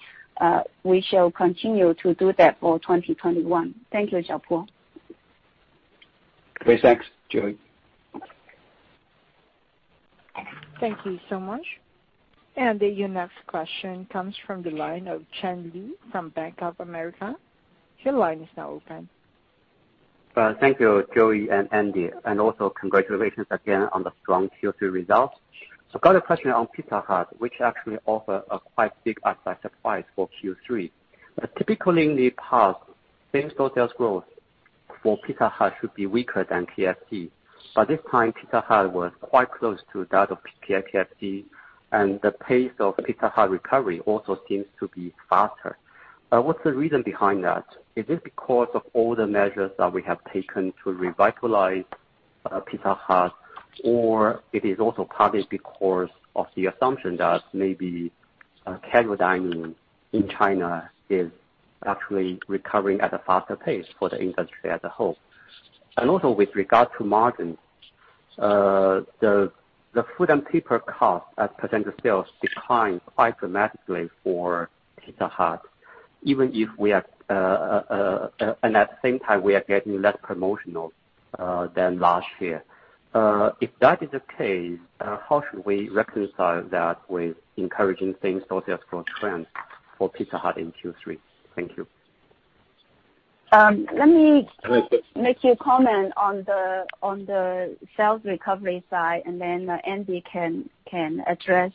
we shall continue to do that for 2021. Thank you, Xiaopo.
Thanks. Joey.
Thank you so much. Your next question comes from the line of Chen Luo from Bank of America.
Thank you, Joey and Andy. Congratulations again on the strong Q3 results. I got a question on Pizza Hut, which actually offer a quite big upside surprise for Q3. Typically in the past, same-store sales growth for Pizza Hut should be weaker than KFC. This time, Pizza Hut was quite close to that of KFC. The pace of Pizza Hut recovery also seems to be faster. What's the reason behind that? Is it because of all the measures that we have taken to revitalize Pizza Hut? It is also partly because of the assumption that maybe casual dining in China is actually recovering at a faster pace for the industry as a whole? Also with regard to margin, the food and paper cost as a percent of sales declined quite dramatically for Pizza Hut, and at the same time we are getting less promotional than last year. If that is the case, how should we reconcile that with encouraging same-store sales growth trends for Pizza Hut in Q3? Thank you.
Let me make a comment on the sales recovery side. Andy can address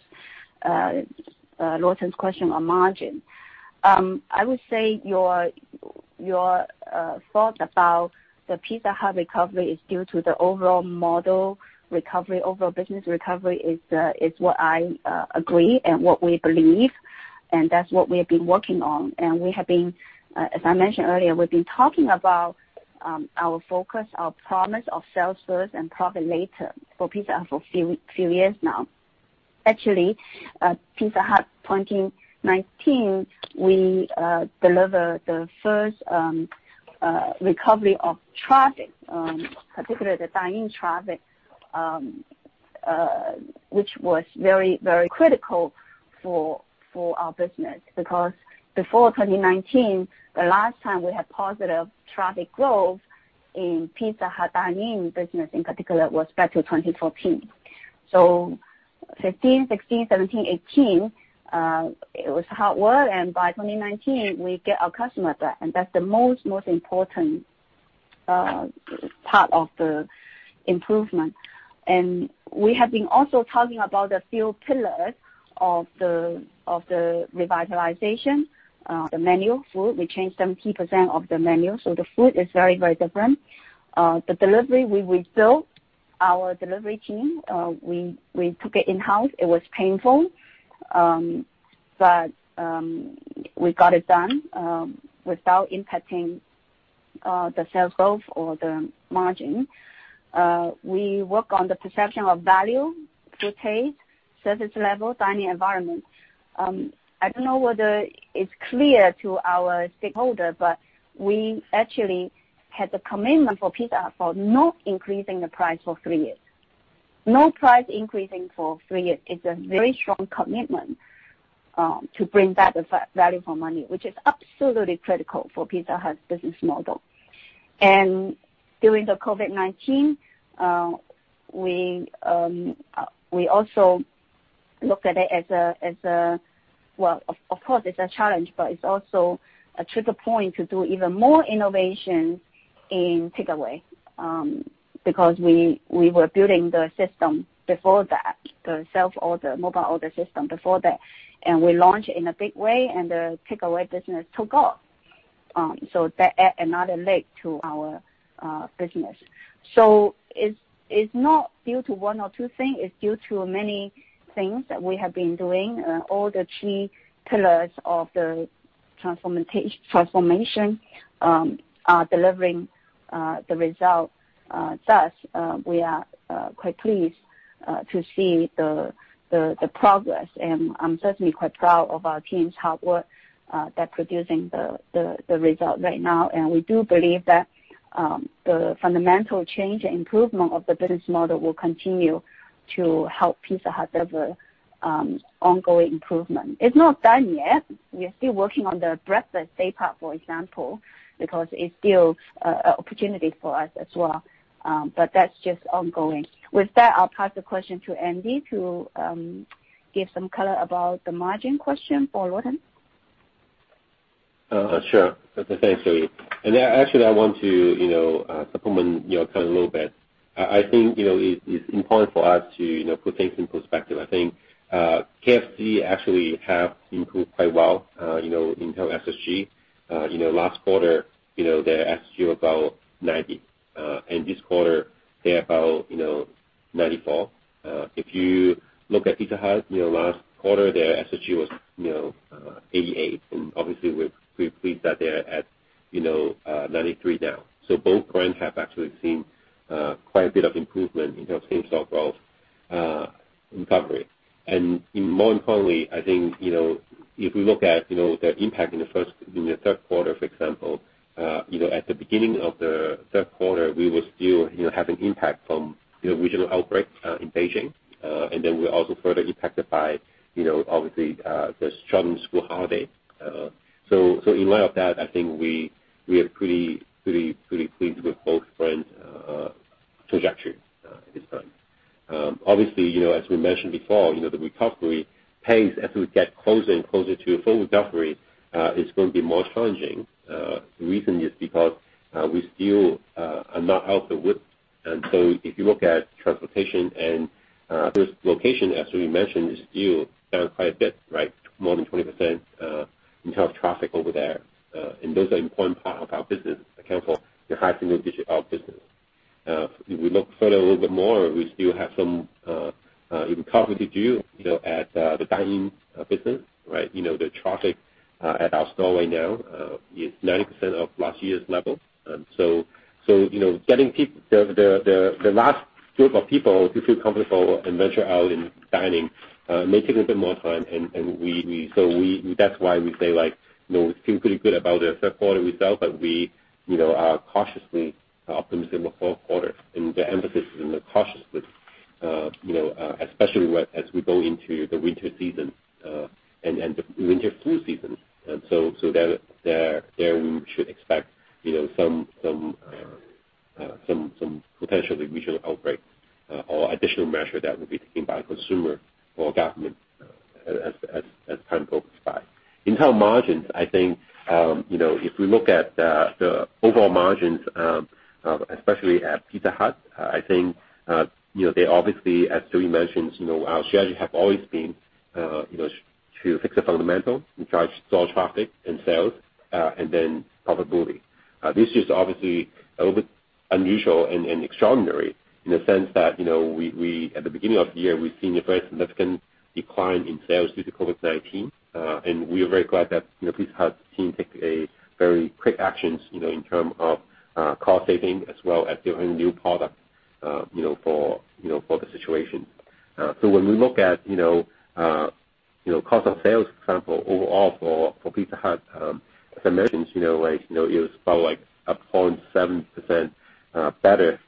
Luo's question on margin. I would say your thought about the Pizza Hut recovery is due to the overall model recovery, overall business recovery is what I agree and what we believe, and that's what we have been working on. As I mentioned earlier, we've been talking about our focus, our promise of sales first and profit later for Pizza Hut for few years now. Actually, Pizza Hut 2019, we delivered the first recovery of traffic, particularly the dine-in traffic, which was very critical for our business. Before 2019, the last time we had positive traffic growth in Pizza Hut dine-in business in particular was back to 2014. 2015, 2016, 2017, 2018, it was hard work, and by 2019, we get our customer back, and that's the most important part of the improvement. We have been also talking about the few pillars of the revitalization. The menu, food. We changed 70% of the menu, so the food is very different. The delivery, we rebuilt our delivery team. We took it in-house. It was painful, but we got it done without impacting the sales growth or the margin. We work on the perception of value, food taste, service level, dine-in environment. I don't know whether it's clear to our stakeholder, but we actually had the commitment for Pizza Hut for not increasing the price for three years. No price increasing for three years. It's a very strong commitment. To bring back the value for money, which is absolutely critical for Pizza Hut's business model. During the COVID-19, we also looked at it as a Well, of course, it's a challenge, but it's also a trigger point to do even more innovation in takeaway, because we were building the system before that, the self order, mobile order system before that, and we launched in a big way, and the takeaway business took off. That add another leg to our business. It's not due to one or two things, it's due to many things that we have been doing. All the key pillars of the transformation are delivering the result. Thus, we are quite pleased to see the progress. I'm certainly quite proud of our team's hard work that producing the result right now. We do believe that the fundamental change and improvement of the business model will continue to help Pizza Hut have ongoing improvement. It's not done yet. We are still working on the breakfast day part, for example, because it's still an opportunity for us as well. That's just ongoing. With that, I'll pass the question to Andy to give some color about the margin question for Luo.
Sure. Thanks, Joey. Actually, I want to supplement your comment a little bit. I think it's important for us to put things in perspective. I think KFC actually have improved quite well in terms of SSG. Last quarter, their SSG was about 90. This quarter, they're about 94. If you look at Pizza Hut, last quarter, their SSG was 88, and obviously we're pleased that they're at 93 now. Both brands have actually seen quite a bit of improvement in terms of recovery. More importantly, I think, if we look at the impact in the third quarter, for example, at the beginning of the third quarter, we were still having impact from regional outbreak in Beijing. We're also further impacted by, obviously, the shortened school holiday. In light of that, I think we are pretty pleased with both brands' trajectory at this time. Obviously, as we mentioned before, the recovery pace as we get closer and closer to full recovery is going to be more challenging. The reason is because we still are not out of the woods. If you look at transportation and other locations, as Joey mentioned, is still down quite a bit. More than 20% in terms of traffic over there. Those are important part of our business account for the high single digit of business. If we look further a little bit more, we still have some recovery to do at the dine-in business. The traffic at our store right now is 90% of last year's level. Getting the last group of people to feel comfortable and venture out in dining may take a bit more time. That's why we say we feel pretty good about the third quarter result, but we are cautiously optimistic in the fourth quarter, and the emphasis is on the cautiously, especially as we go into the winter season and the winter flu season. There we should expect some potential regional outbreak or additional measure that will be taken by consumer or government as time goes by. In terms of margins, I think, if we look at the overall margins, especially at Pizza Hut, I think, they obviously, as Joey mentioned, our strategy have always been to fix the fundamentals. We charge store traffic and sales and then profitability. This is obviously a little bit unusual and extraordinary in the sense that at the beginning of the year, we've seen a very significant decline in sales due to COVID-19. We are very glad that Pizza Hut team take a very quick actions in term of cost saving as well as delivering new product for the situation. When we look at cost of sales, for example, overall for Pizza Hut as I mentioned, it was about 0.7% better.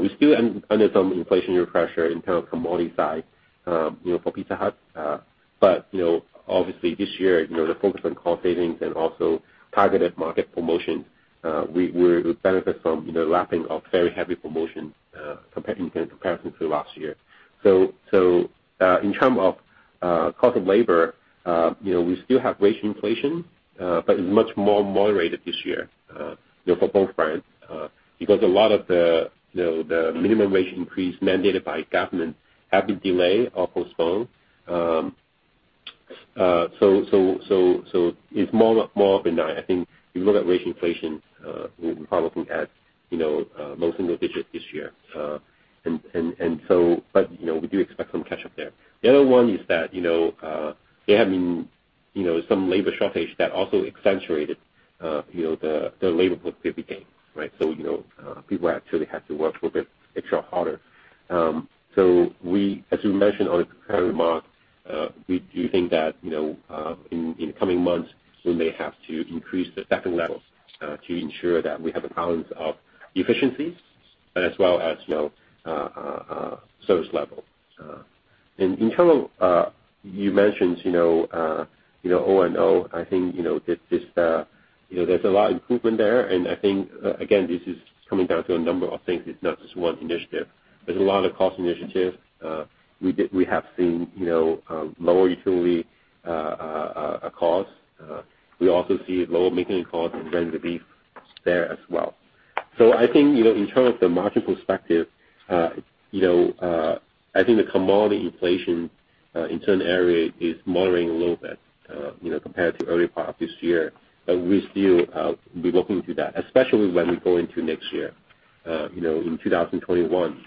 We still under some inflationary pressure in terms of commodity side for Pizza Hut. Obviously this year, the focus on cost savings and also targeted market promotions, we would benefit from wrapping up very heavy promotions in comparison to last year. In term of cost of labor, we still have wage inflation, but it's much more moderated this year for both brands, because a lot of the minimum wage increase mandated by government have been delayed or postponed. It's more of in line. I think if you look at wage inflation, we're probably looking at low single digit this year. We do expect some catch-up there. The other one is that they have been some labor shortage that also accentuated the labor productivity gains, right? People actually have to work a bit extra harder. As Joey mentioned on his prepared remarks, we do think that, in the coming months, we may have to increase the staffing levels to ensure that we have a balance of efficiency as well as service level. In terms of, you mentioned O&O, I think there's a lot of improvement there, and I think, again, this is coming down to a number of things. It's not just one initiative. There's a lot of cost initiatives. We have seen lower utility costs. We also see lower maintaining cost and rent relief there as well. I think in terms of the margin perspective, I think the commodity inflation in certain areas is moderating a little bit, compared to the early part of this year. We'll still be looking into that, especially when we go into next year. In 2021,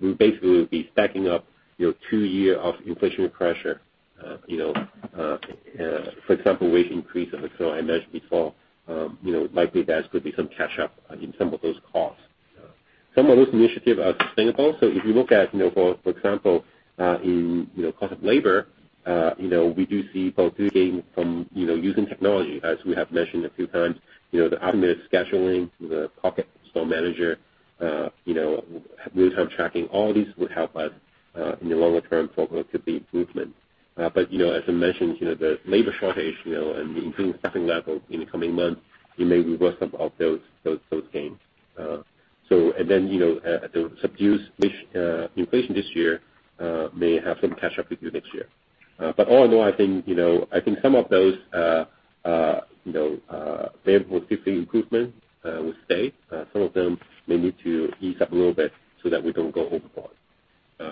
we basically will be stacking up two years of inflationary pressure. For example, wage increase, as I mentioned before, likely there's going to be some catch up in some of those costs. Some of those initiatives are sustainable. If you look at, for example, in cost of labor, we do see both good gains from using technology, as we have mentioned a few times. The automated scheduling, the Pocket Store Manager, real-time tracking, all these would help us in the longer-term focus to the improvement. As I mentioned, the labor shortage, and the increased staffing level in the coming months, it may reverse some of those gains. The subdued inflation this year may have some catch up with you next year. All in all, I think some of those labor efficiency improvements will stay. Some of them may need to ease up a little bit so that we don't go overboard.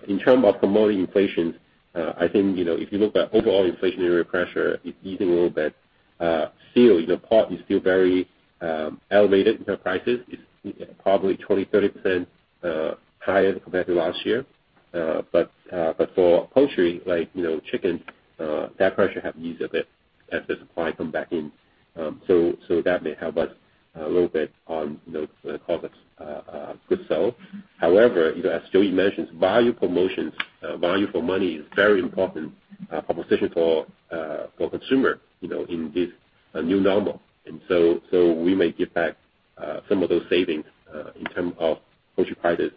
In terms of commodity inflation, I think if you look at overall inflationary pressure, it's easing a little bit. Still, pork is still very elevated in terms of prices. It's probably 20%-30% higher compared to last year. For poultry, like chicken, that pressure have eased a bit as the supply come back in. That may help us a little bit on the cost of goods sold. However, as Joey mentioned, value promotions, value for money is very important proposition for consumer, in this new normal. We may give back some of those savings, in terms of poultry prices,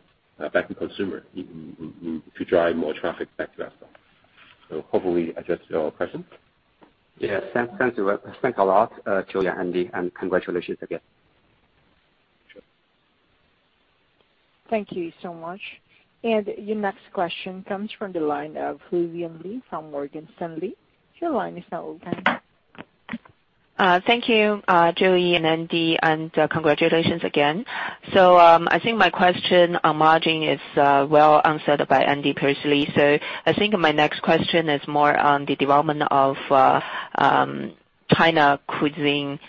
back to consumer to drive more traffic back to our store. Hopefully addressed your question.
Yes. Thanks a lot, Joey and Andy, and congratulations again.
Sure.
Thank you so much. Your next question comes from the line of Lillian Lou from Morgan Stanley.
Thank you, Joey and Andy, and congratulations again. I think my question on margin is well answered by Andy previously. I think my next question is more on the development of China cuisine.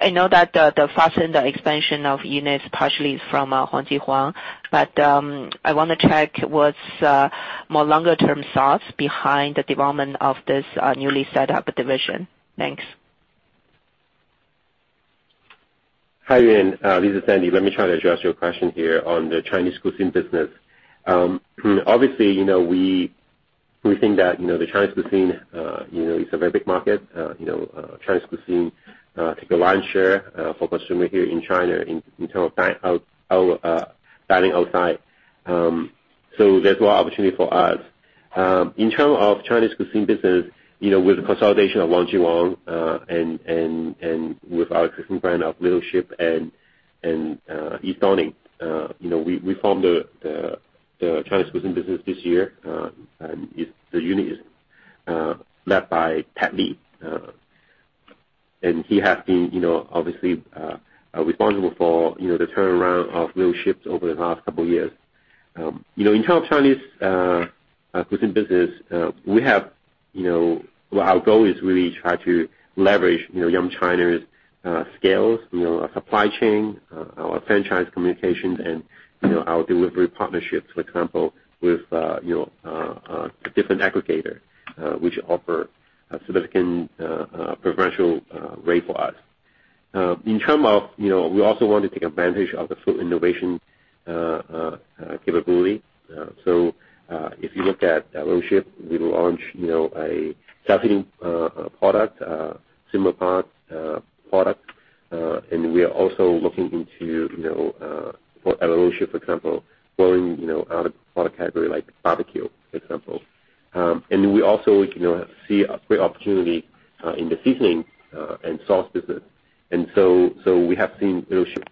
I know that the faster the expansion of units partially is from Huang Ji Huang, but I want to check what's more longer term thoughts behind the development of this newly set up division. Thanks.
Hi, Lillian. This is Andy. Let me try to address your question here on the Chinese cuisine business. Obviously, we think that the Chinese cuisine is a very big market. Chinese cuisine take a lion share for consumer here in China in terms of dining outside. There's more opportunity for us. In terms of Chinese cuisine business, with the consolidation of Huang Ji Huang, and with our existing brand of Little Sheep and East Dawning, we formed the Chinese cuisine business this year, and the unit is led by Ted Lee. He has been obviously responsible for the turnaround of Little Sheep over the last couple of years. In terms of Chinese cuisine business, our goal is really try to leverage Yum China's scales, our supply chain, our franchise communications, and our delivery partnerships, for example, with different aggregator, which offer a significant preferential rate for us. In terms of, we also want to take advantage of the food innovation capability. If you look at Little Sheep, we launched a char siu product, dim sum products product. We are also looking into, for elevation, for example, growing our product category like barbecue, for example. We also see a great opportunity in the seasoning and sauce business. We have seen Little Sheep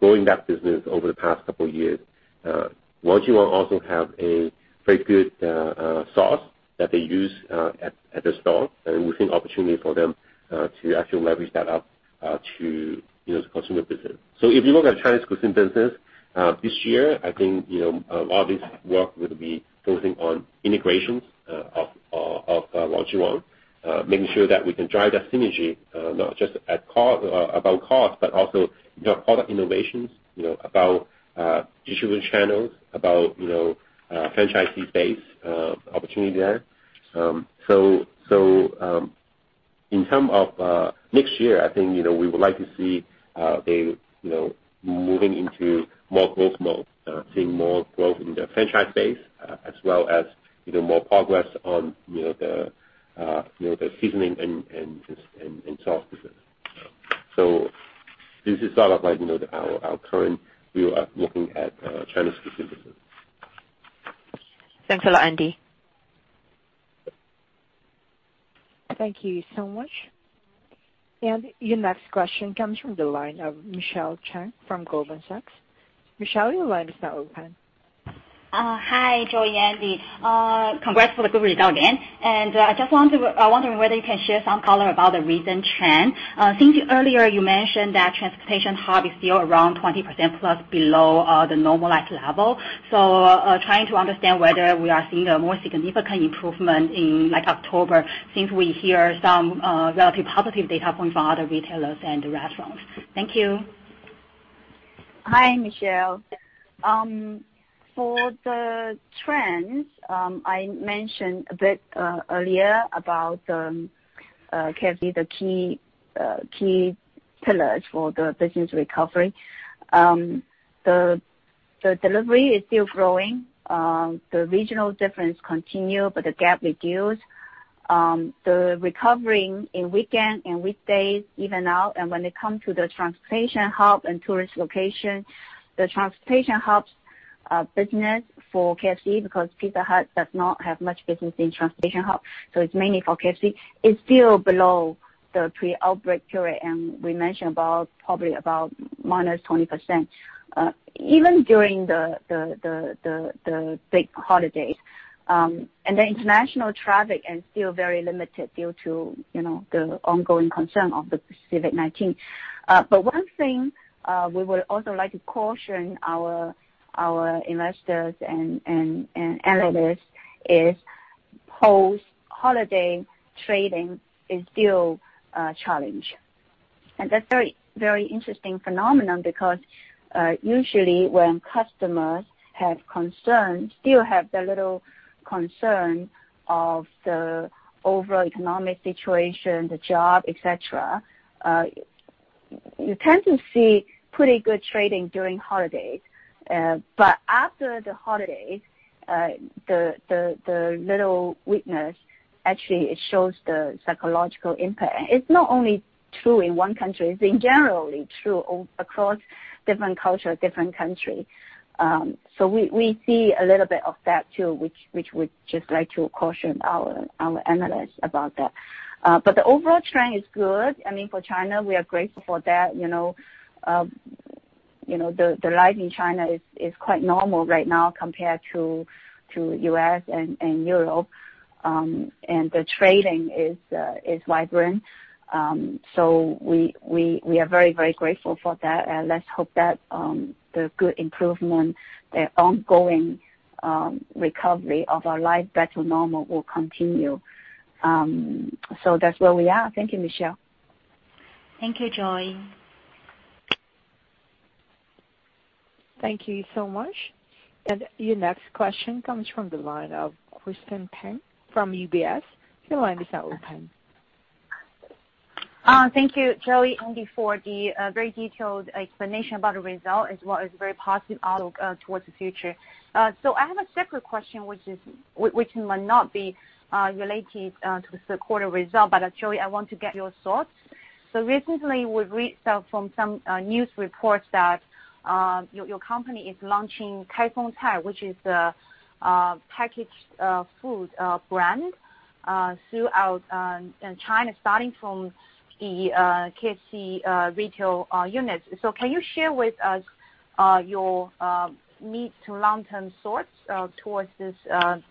growing that business over the past couple of years. Huang Ji Huang also have a very good sauce that they use at the store. We think opportunity for them to actually leverage that up to the consumer business. If you look at Chinese cuisine business, this year, I think a lot of this work will be focusing on integrations of Huang Ji Huang, making sure that we can drive that synergy, not just above cost, but also product innovations, about distribution channels, about franchisee base opportunity there. In terms of next year, I think we would like to see moving into more growth mode, seeing more growth in the franchise base, as well as more progress on the seasoning and sauce business. This is sort of like our current view of looking at Chinese cuisine business.
Thanks a lot, Andy.
Thank you so much. Your next question comes from the line of Michelle Cheng from Goldman Sachs. Michelle, your line is now open.
Hi, Joey and Andy. Congrats for the good result again. I was just wondering whether you can share some color about the recent trend. Since earlier you mentioned that transportation hub is still around 20% plus below the normalized level. Trying to understand whether we are seeing a more significant improvement in October since we hear some relatively positive data points from other retailers and restaurants. Thank you.
Hi, Michelle. For the trends, I mentioned a bit earlier about KFC, the key pillars for the business recovery. The delivery is still growing. The regional difference continue, but the gap reduced. The recovery in weekend and weekdays even out, and when it come to the transportation hub and tourist location, the transportation hubs business for KFC, because Pizza Hut does not have much business in transportation hub, so it's mainly for KFC. It's still below the pre-outbreak period, and we mentioned about probably about -20%, even during the big holidays. The international traffic is still very limited due to the ongoing concern of the COVID-19. One thing we would also like to caution our investors and analysts is post-holiday trading is still a challenge. That's very interesting phenomenon because, usually when customers still have the little concern of the overall economic situation, the job, et cetera, you tend to see pretty good trading during holidays. After the holidays, the little weakness, actually, it shows the psychological impact. It's not only true in one country, it's generally true across different culture, different country. We see a little bit of that too, which we'd just like to caution our analysts about that. The overall trend is good. I mean, for China, we are grateful for that. The life in China is quite normal right now compared to U.S. and Europe. The trading is vibrant. We are very, very grateful for that, and let's hope that the good improvement, the ongoing recovery of our life back to normal will continue. That's where we are. Thank you, Michelle.
Thank you, Joey.
Thank you so much. Your next question comes from the line of Christine Peng from UBS. Your line is now open.
Thank you, Joey, Andy, for the very detailed explanation about the result as well as very positive outlook towards the future. I have a separate question which might not be related to the quarter result, but Joey, I want to get your thoughts. Recently we've read from some news reports that your company is launching Kaifengcai, which is a packaged food brand, throughout in China, starting from the KFC retail units. Can you share with us your mid to long term thoughts towards this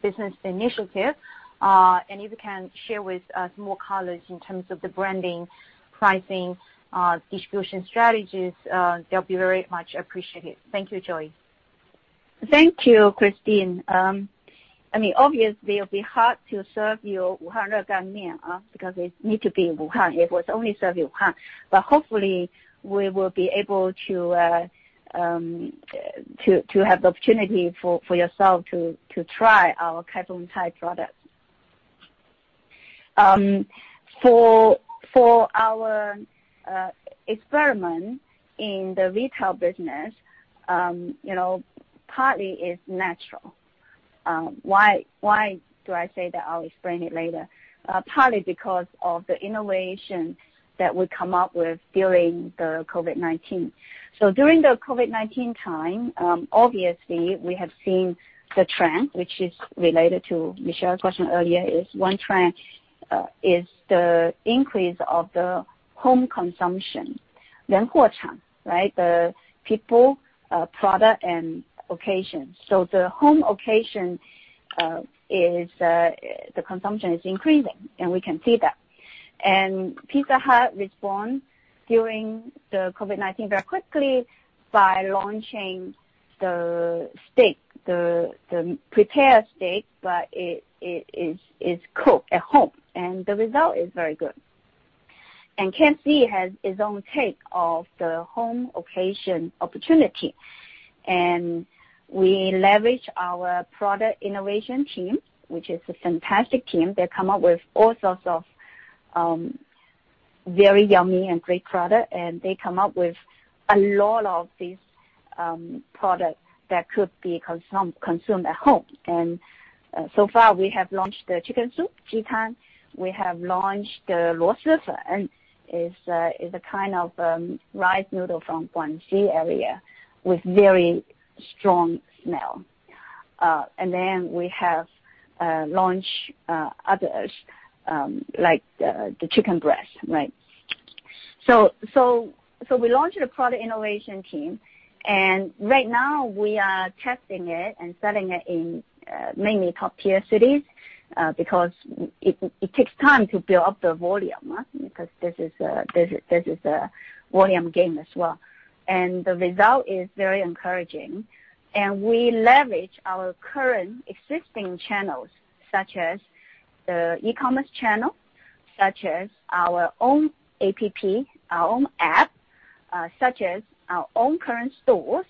business initiative? If you can share with us more colors in terms of the branding, pricing, distribution strategies, that'll be very much appreciated. Thank you, Joey.
Thank you, Christine. I mean, obviously, it'll be hard to serve you Wuhan Re Gan Mian because it need to be Wuhan. It was only served in Wuhan. Hopefully we will be able to have the opportunity for yourself to try our Kaifengcai product. For our experiment in the retail business, partly is natural. Why do I say that? I'll explain it later. Partly because of the innovation that we come up with during the COVID-19. During the COVID-19 time, obviously, we have seen the trend, which is related to Michelle's question earlier, is one trend is the increase of the home consumption. People, product, and occasion. The home occasion, the consumption is increasing, and we can see that. Pizza Hut respond during the COVID-19 very quickly by launching the prepared steak, but it is cooked at home, and the result is very good. KFC has its own take of the home occasion opportunity. We leverage our product innovation team, which is a fantastic team. They come up with all sorts of very yummy and great product, and they come up with a lot of these product that could be consumed at home. So far, we have launched the chicken soup, Ji Tang. We have launched the Luosifen. It's a kind of rice noodle from Guangxi area with very strong smell. We have launched others like the chicken breast. We launched the product innovation team, and right now we are testing it and selling it in mainly top-tier cities, because it takes time to build up the volume, because this is a volume game as well. The result is very encouraging. We leverage our current existing channels, such as the e-commerce channel, such as our own app, such as our own current stores,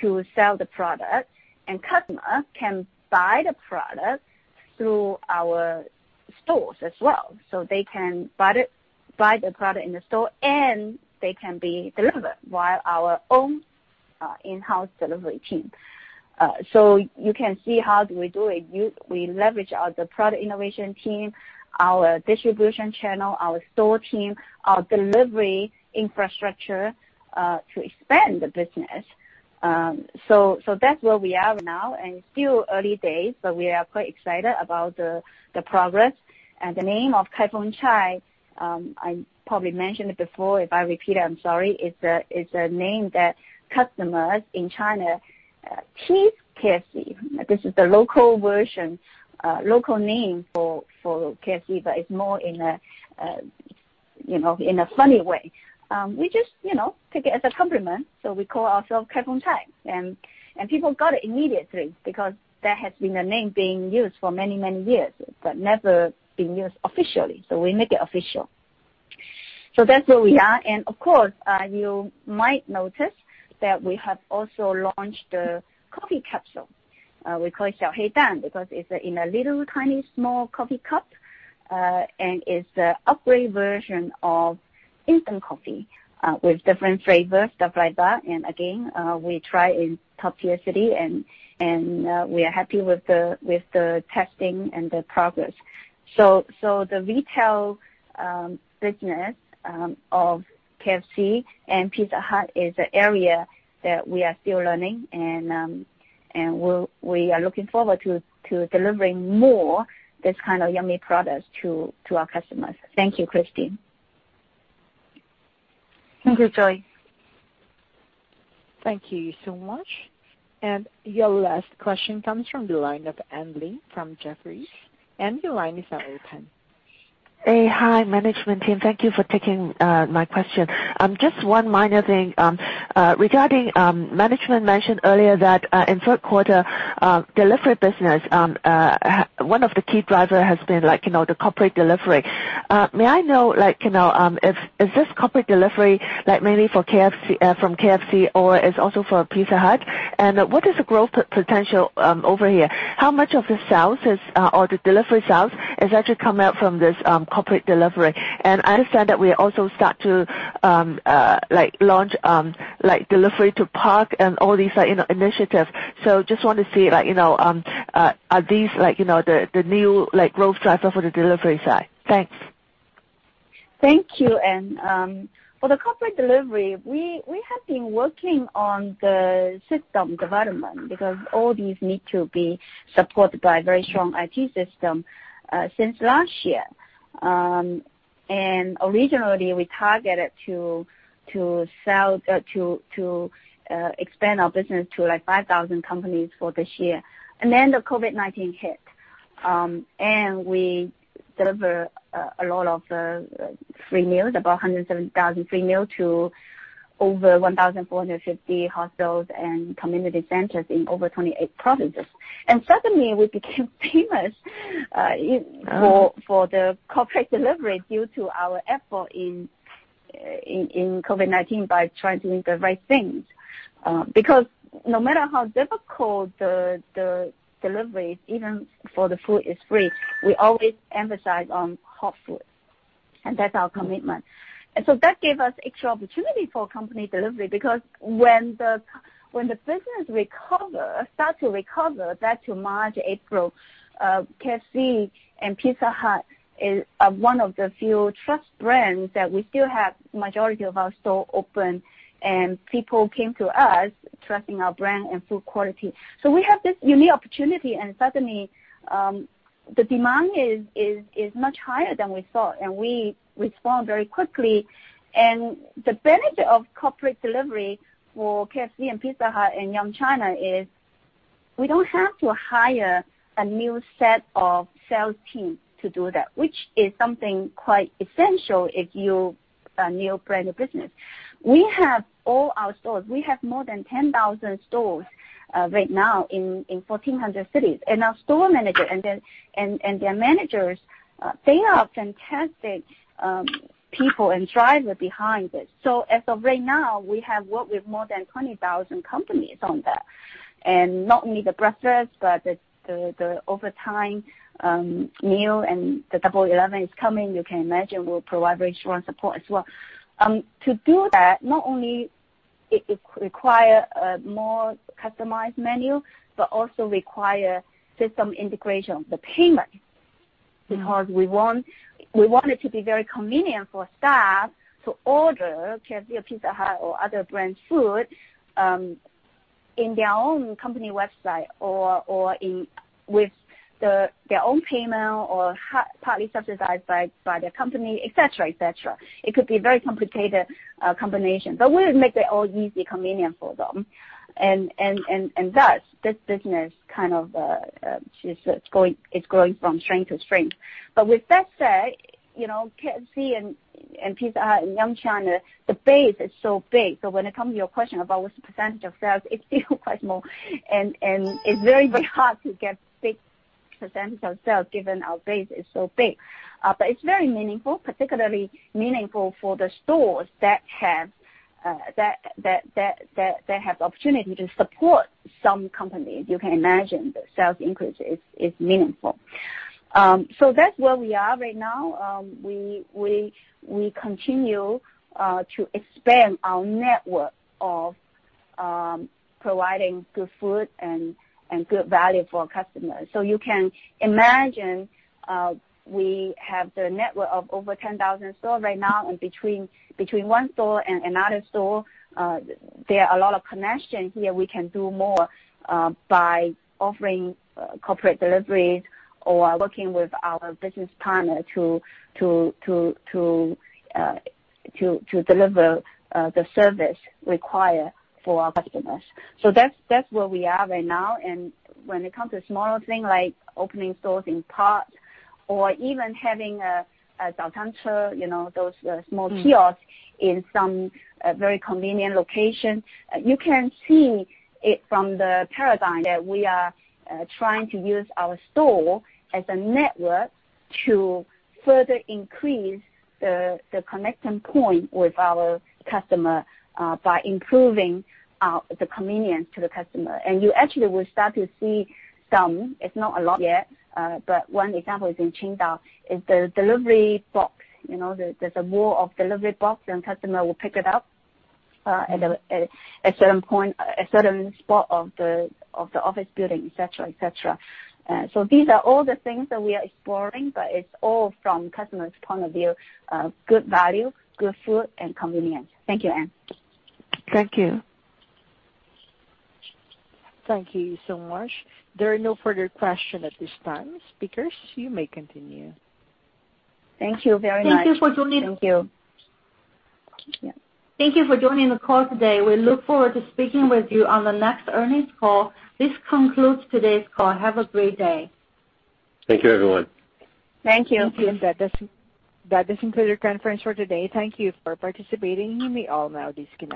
to sell the product, and customer can buy the product through our stores as well. They can buy the product in the store, and they can be delivered via our own in-house delivery team. You can see how we do it. We leverage the product innovation team, our distribution channel, our store team, our delivery infrastructure to expand the business. That's where we are now, and still early days, but we are quite excited about the progress. The name of Kaifengcai, I probably mentioned it before, if I repeat it, I'm sorry, it's a name that customers in China tease KFC. This is the local version, local name for KFC, but it's more in a funny way. We just take it as a compliment, so we call ourselves Kaifengcai. People got it immediately because that has been a name being used for many, many years, but never been used officially. We make it official. That's where we are, and of course, you might notice that we have also launched the coffee capsule. We call it because it's in a little, tiny, small coffee cup, and it's an upgraded version of instant coffee with different flavors, stuff like that. Again, we try in top-tier city and we are happy with the testing and the progress. The retail business of KFC and Pizza Hut is an area that we are still learning, and we are looking forward to delivering more this kind of yummy products to our customers. Thank you, Christine.
Thank you, Joey.
Thank you so much. Your last question comes from the line of Anne Ling from Jefferies. Anne, your line is now open.
Hey. Hi, management team. Thank you for taking my question. Just one minor thing. Regarding management mentioned earlier that in third quarter, delivery business, one of the key driver has been the corporate delivery. May I know, is this corporate delivery mainly from KFC, or is also for Pizza Hut? What is the growth potential over here? How much of the sales or the delivery sales is actually coming out from this corporate delivery? I understand that we also start to launch delivery to park and all these initiatives. Just want to see, are these the new growth driver for the delivery side? Thanks.
Thank you, Anne. For the corporate delivery, we have been working on the system development because all these need to be supported by a very strong IT system since last year. Originally, we targeted to expand our business to 5,000 companies for this year. Then the COVID-19 hit. We delivered a lot of free meals, about 170,000 free meal to over 1,450 hospitals and community centers in over 28 provinces. Suddenly we became famous for the corporate delivery due to our effort in COVID-19 by trying to do the right things. No matter how difficult the delivery, even for the food is free, we always emphasize on hot food, and that's our commitment. That gave us extra opportunity for company delivery, because when the business start to recover, back to March, April, KFC and Pizza Hut is one of the few trust brands that we still have majority of our store open, and people came to us trusting our brand and food quality. We have this unique opportunity, and suddenly, the demand is much higher than we thought, and we respond very quickly. The benefit of corporate delivery for KFC and Pizza Hut in Yum China is we don't have to hire a new set of sales team to do that, which is something quite essential if you are a new brand or business. We have all our stores. We have more than 10,000 stores right now in 1,400 cities. Our store manager and their managers, they are fantastic people and driver behind it. As of right now, we have worked with more than 20,000 companies on that. Not only the breakfast, but the overtime meal and the Double 11 is coming. You can imagine we'll provide very strong support as well. To do that, not only it require a more customized menu, but also require system integration of the payment. Because we want it to be very convenient for staff to order KFC or Pizza Hut or other brand food in their own company website or with their own payment, or partly subsidized by their company, et cetera. It could be a very complicated combination, but we will make that all easy, convenient for them. Thus, this business is growing from strength to strength. With that said, KFC and Pizza Hut in Yum China, the base is so big. When it comes to your question about what's the percentage of sales, it's still quite small, and it's very, very hard to get big percentage of sales, given our base is so big. It's very meaningful, particularly meaningful for the stores that have the opportunity to support some companies. You can imagine the sales increase is meaningful. That's where we are right now. We continue to expand our network of providing good food and good value for our customers. You can imagine, we have the network of over 10,000 stores right now, and between one store and another store, there are a lot of connections here. We can do more by offering corporate deliveries or working with our business partner to deliver the service required for our customers. That's where we are right now. When it comes to smaller things like opening stores in parks or even having those small kiosks in some very convenient locations. You can see it from the paradigm that we are trying to use our store as a network to further increase the connection point with our customer by improving the convenience to the customer. You actually will start to see some, it's not a lot yet, but one example is in Qingdao, is the delivery box. There's a wall of delivery box, and customer will pick it up at a certain spot of the office building, et cetera. These are all the things that we are exploring, but it's all from customer's point of view, good value, good food, and convenience. Thank you, Anne.
Thank you.
Thank you so much. There are no further question at this time. Speakers, you may continue.
Thank you very much.
Thank you for joining.
Thank you.
Yeah. Thank you for joining the call today. We look forward to speaking with you on the next earnings call. This concludes today's call. Have a great day.
Thank you, everyone.
Thank you.
Thank you. That does conclude our conference for today. Thank you for participating, and we all now disconnect.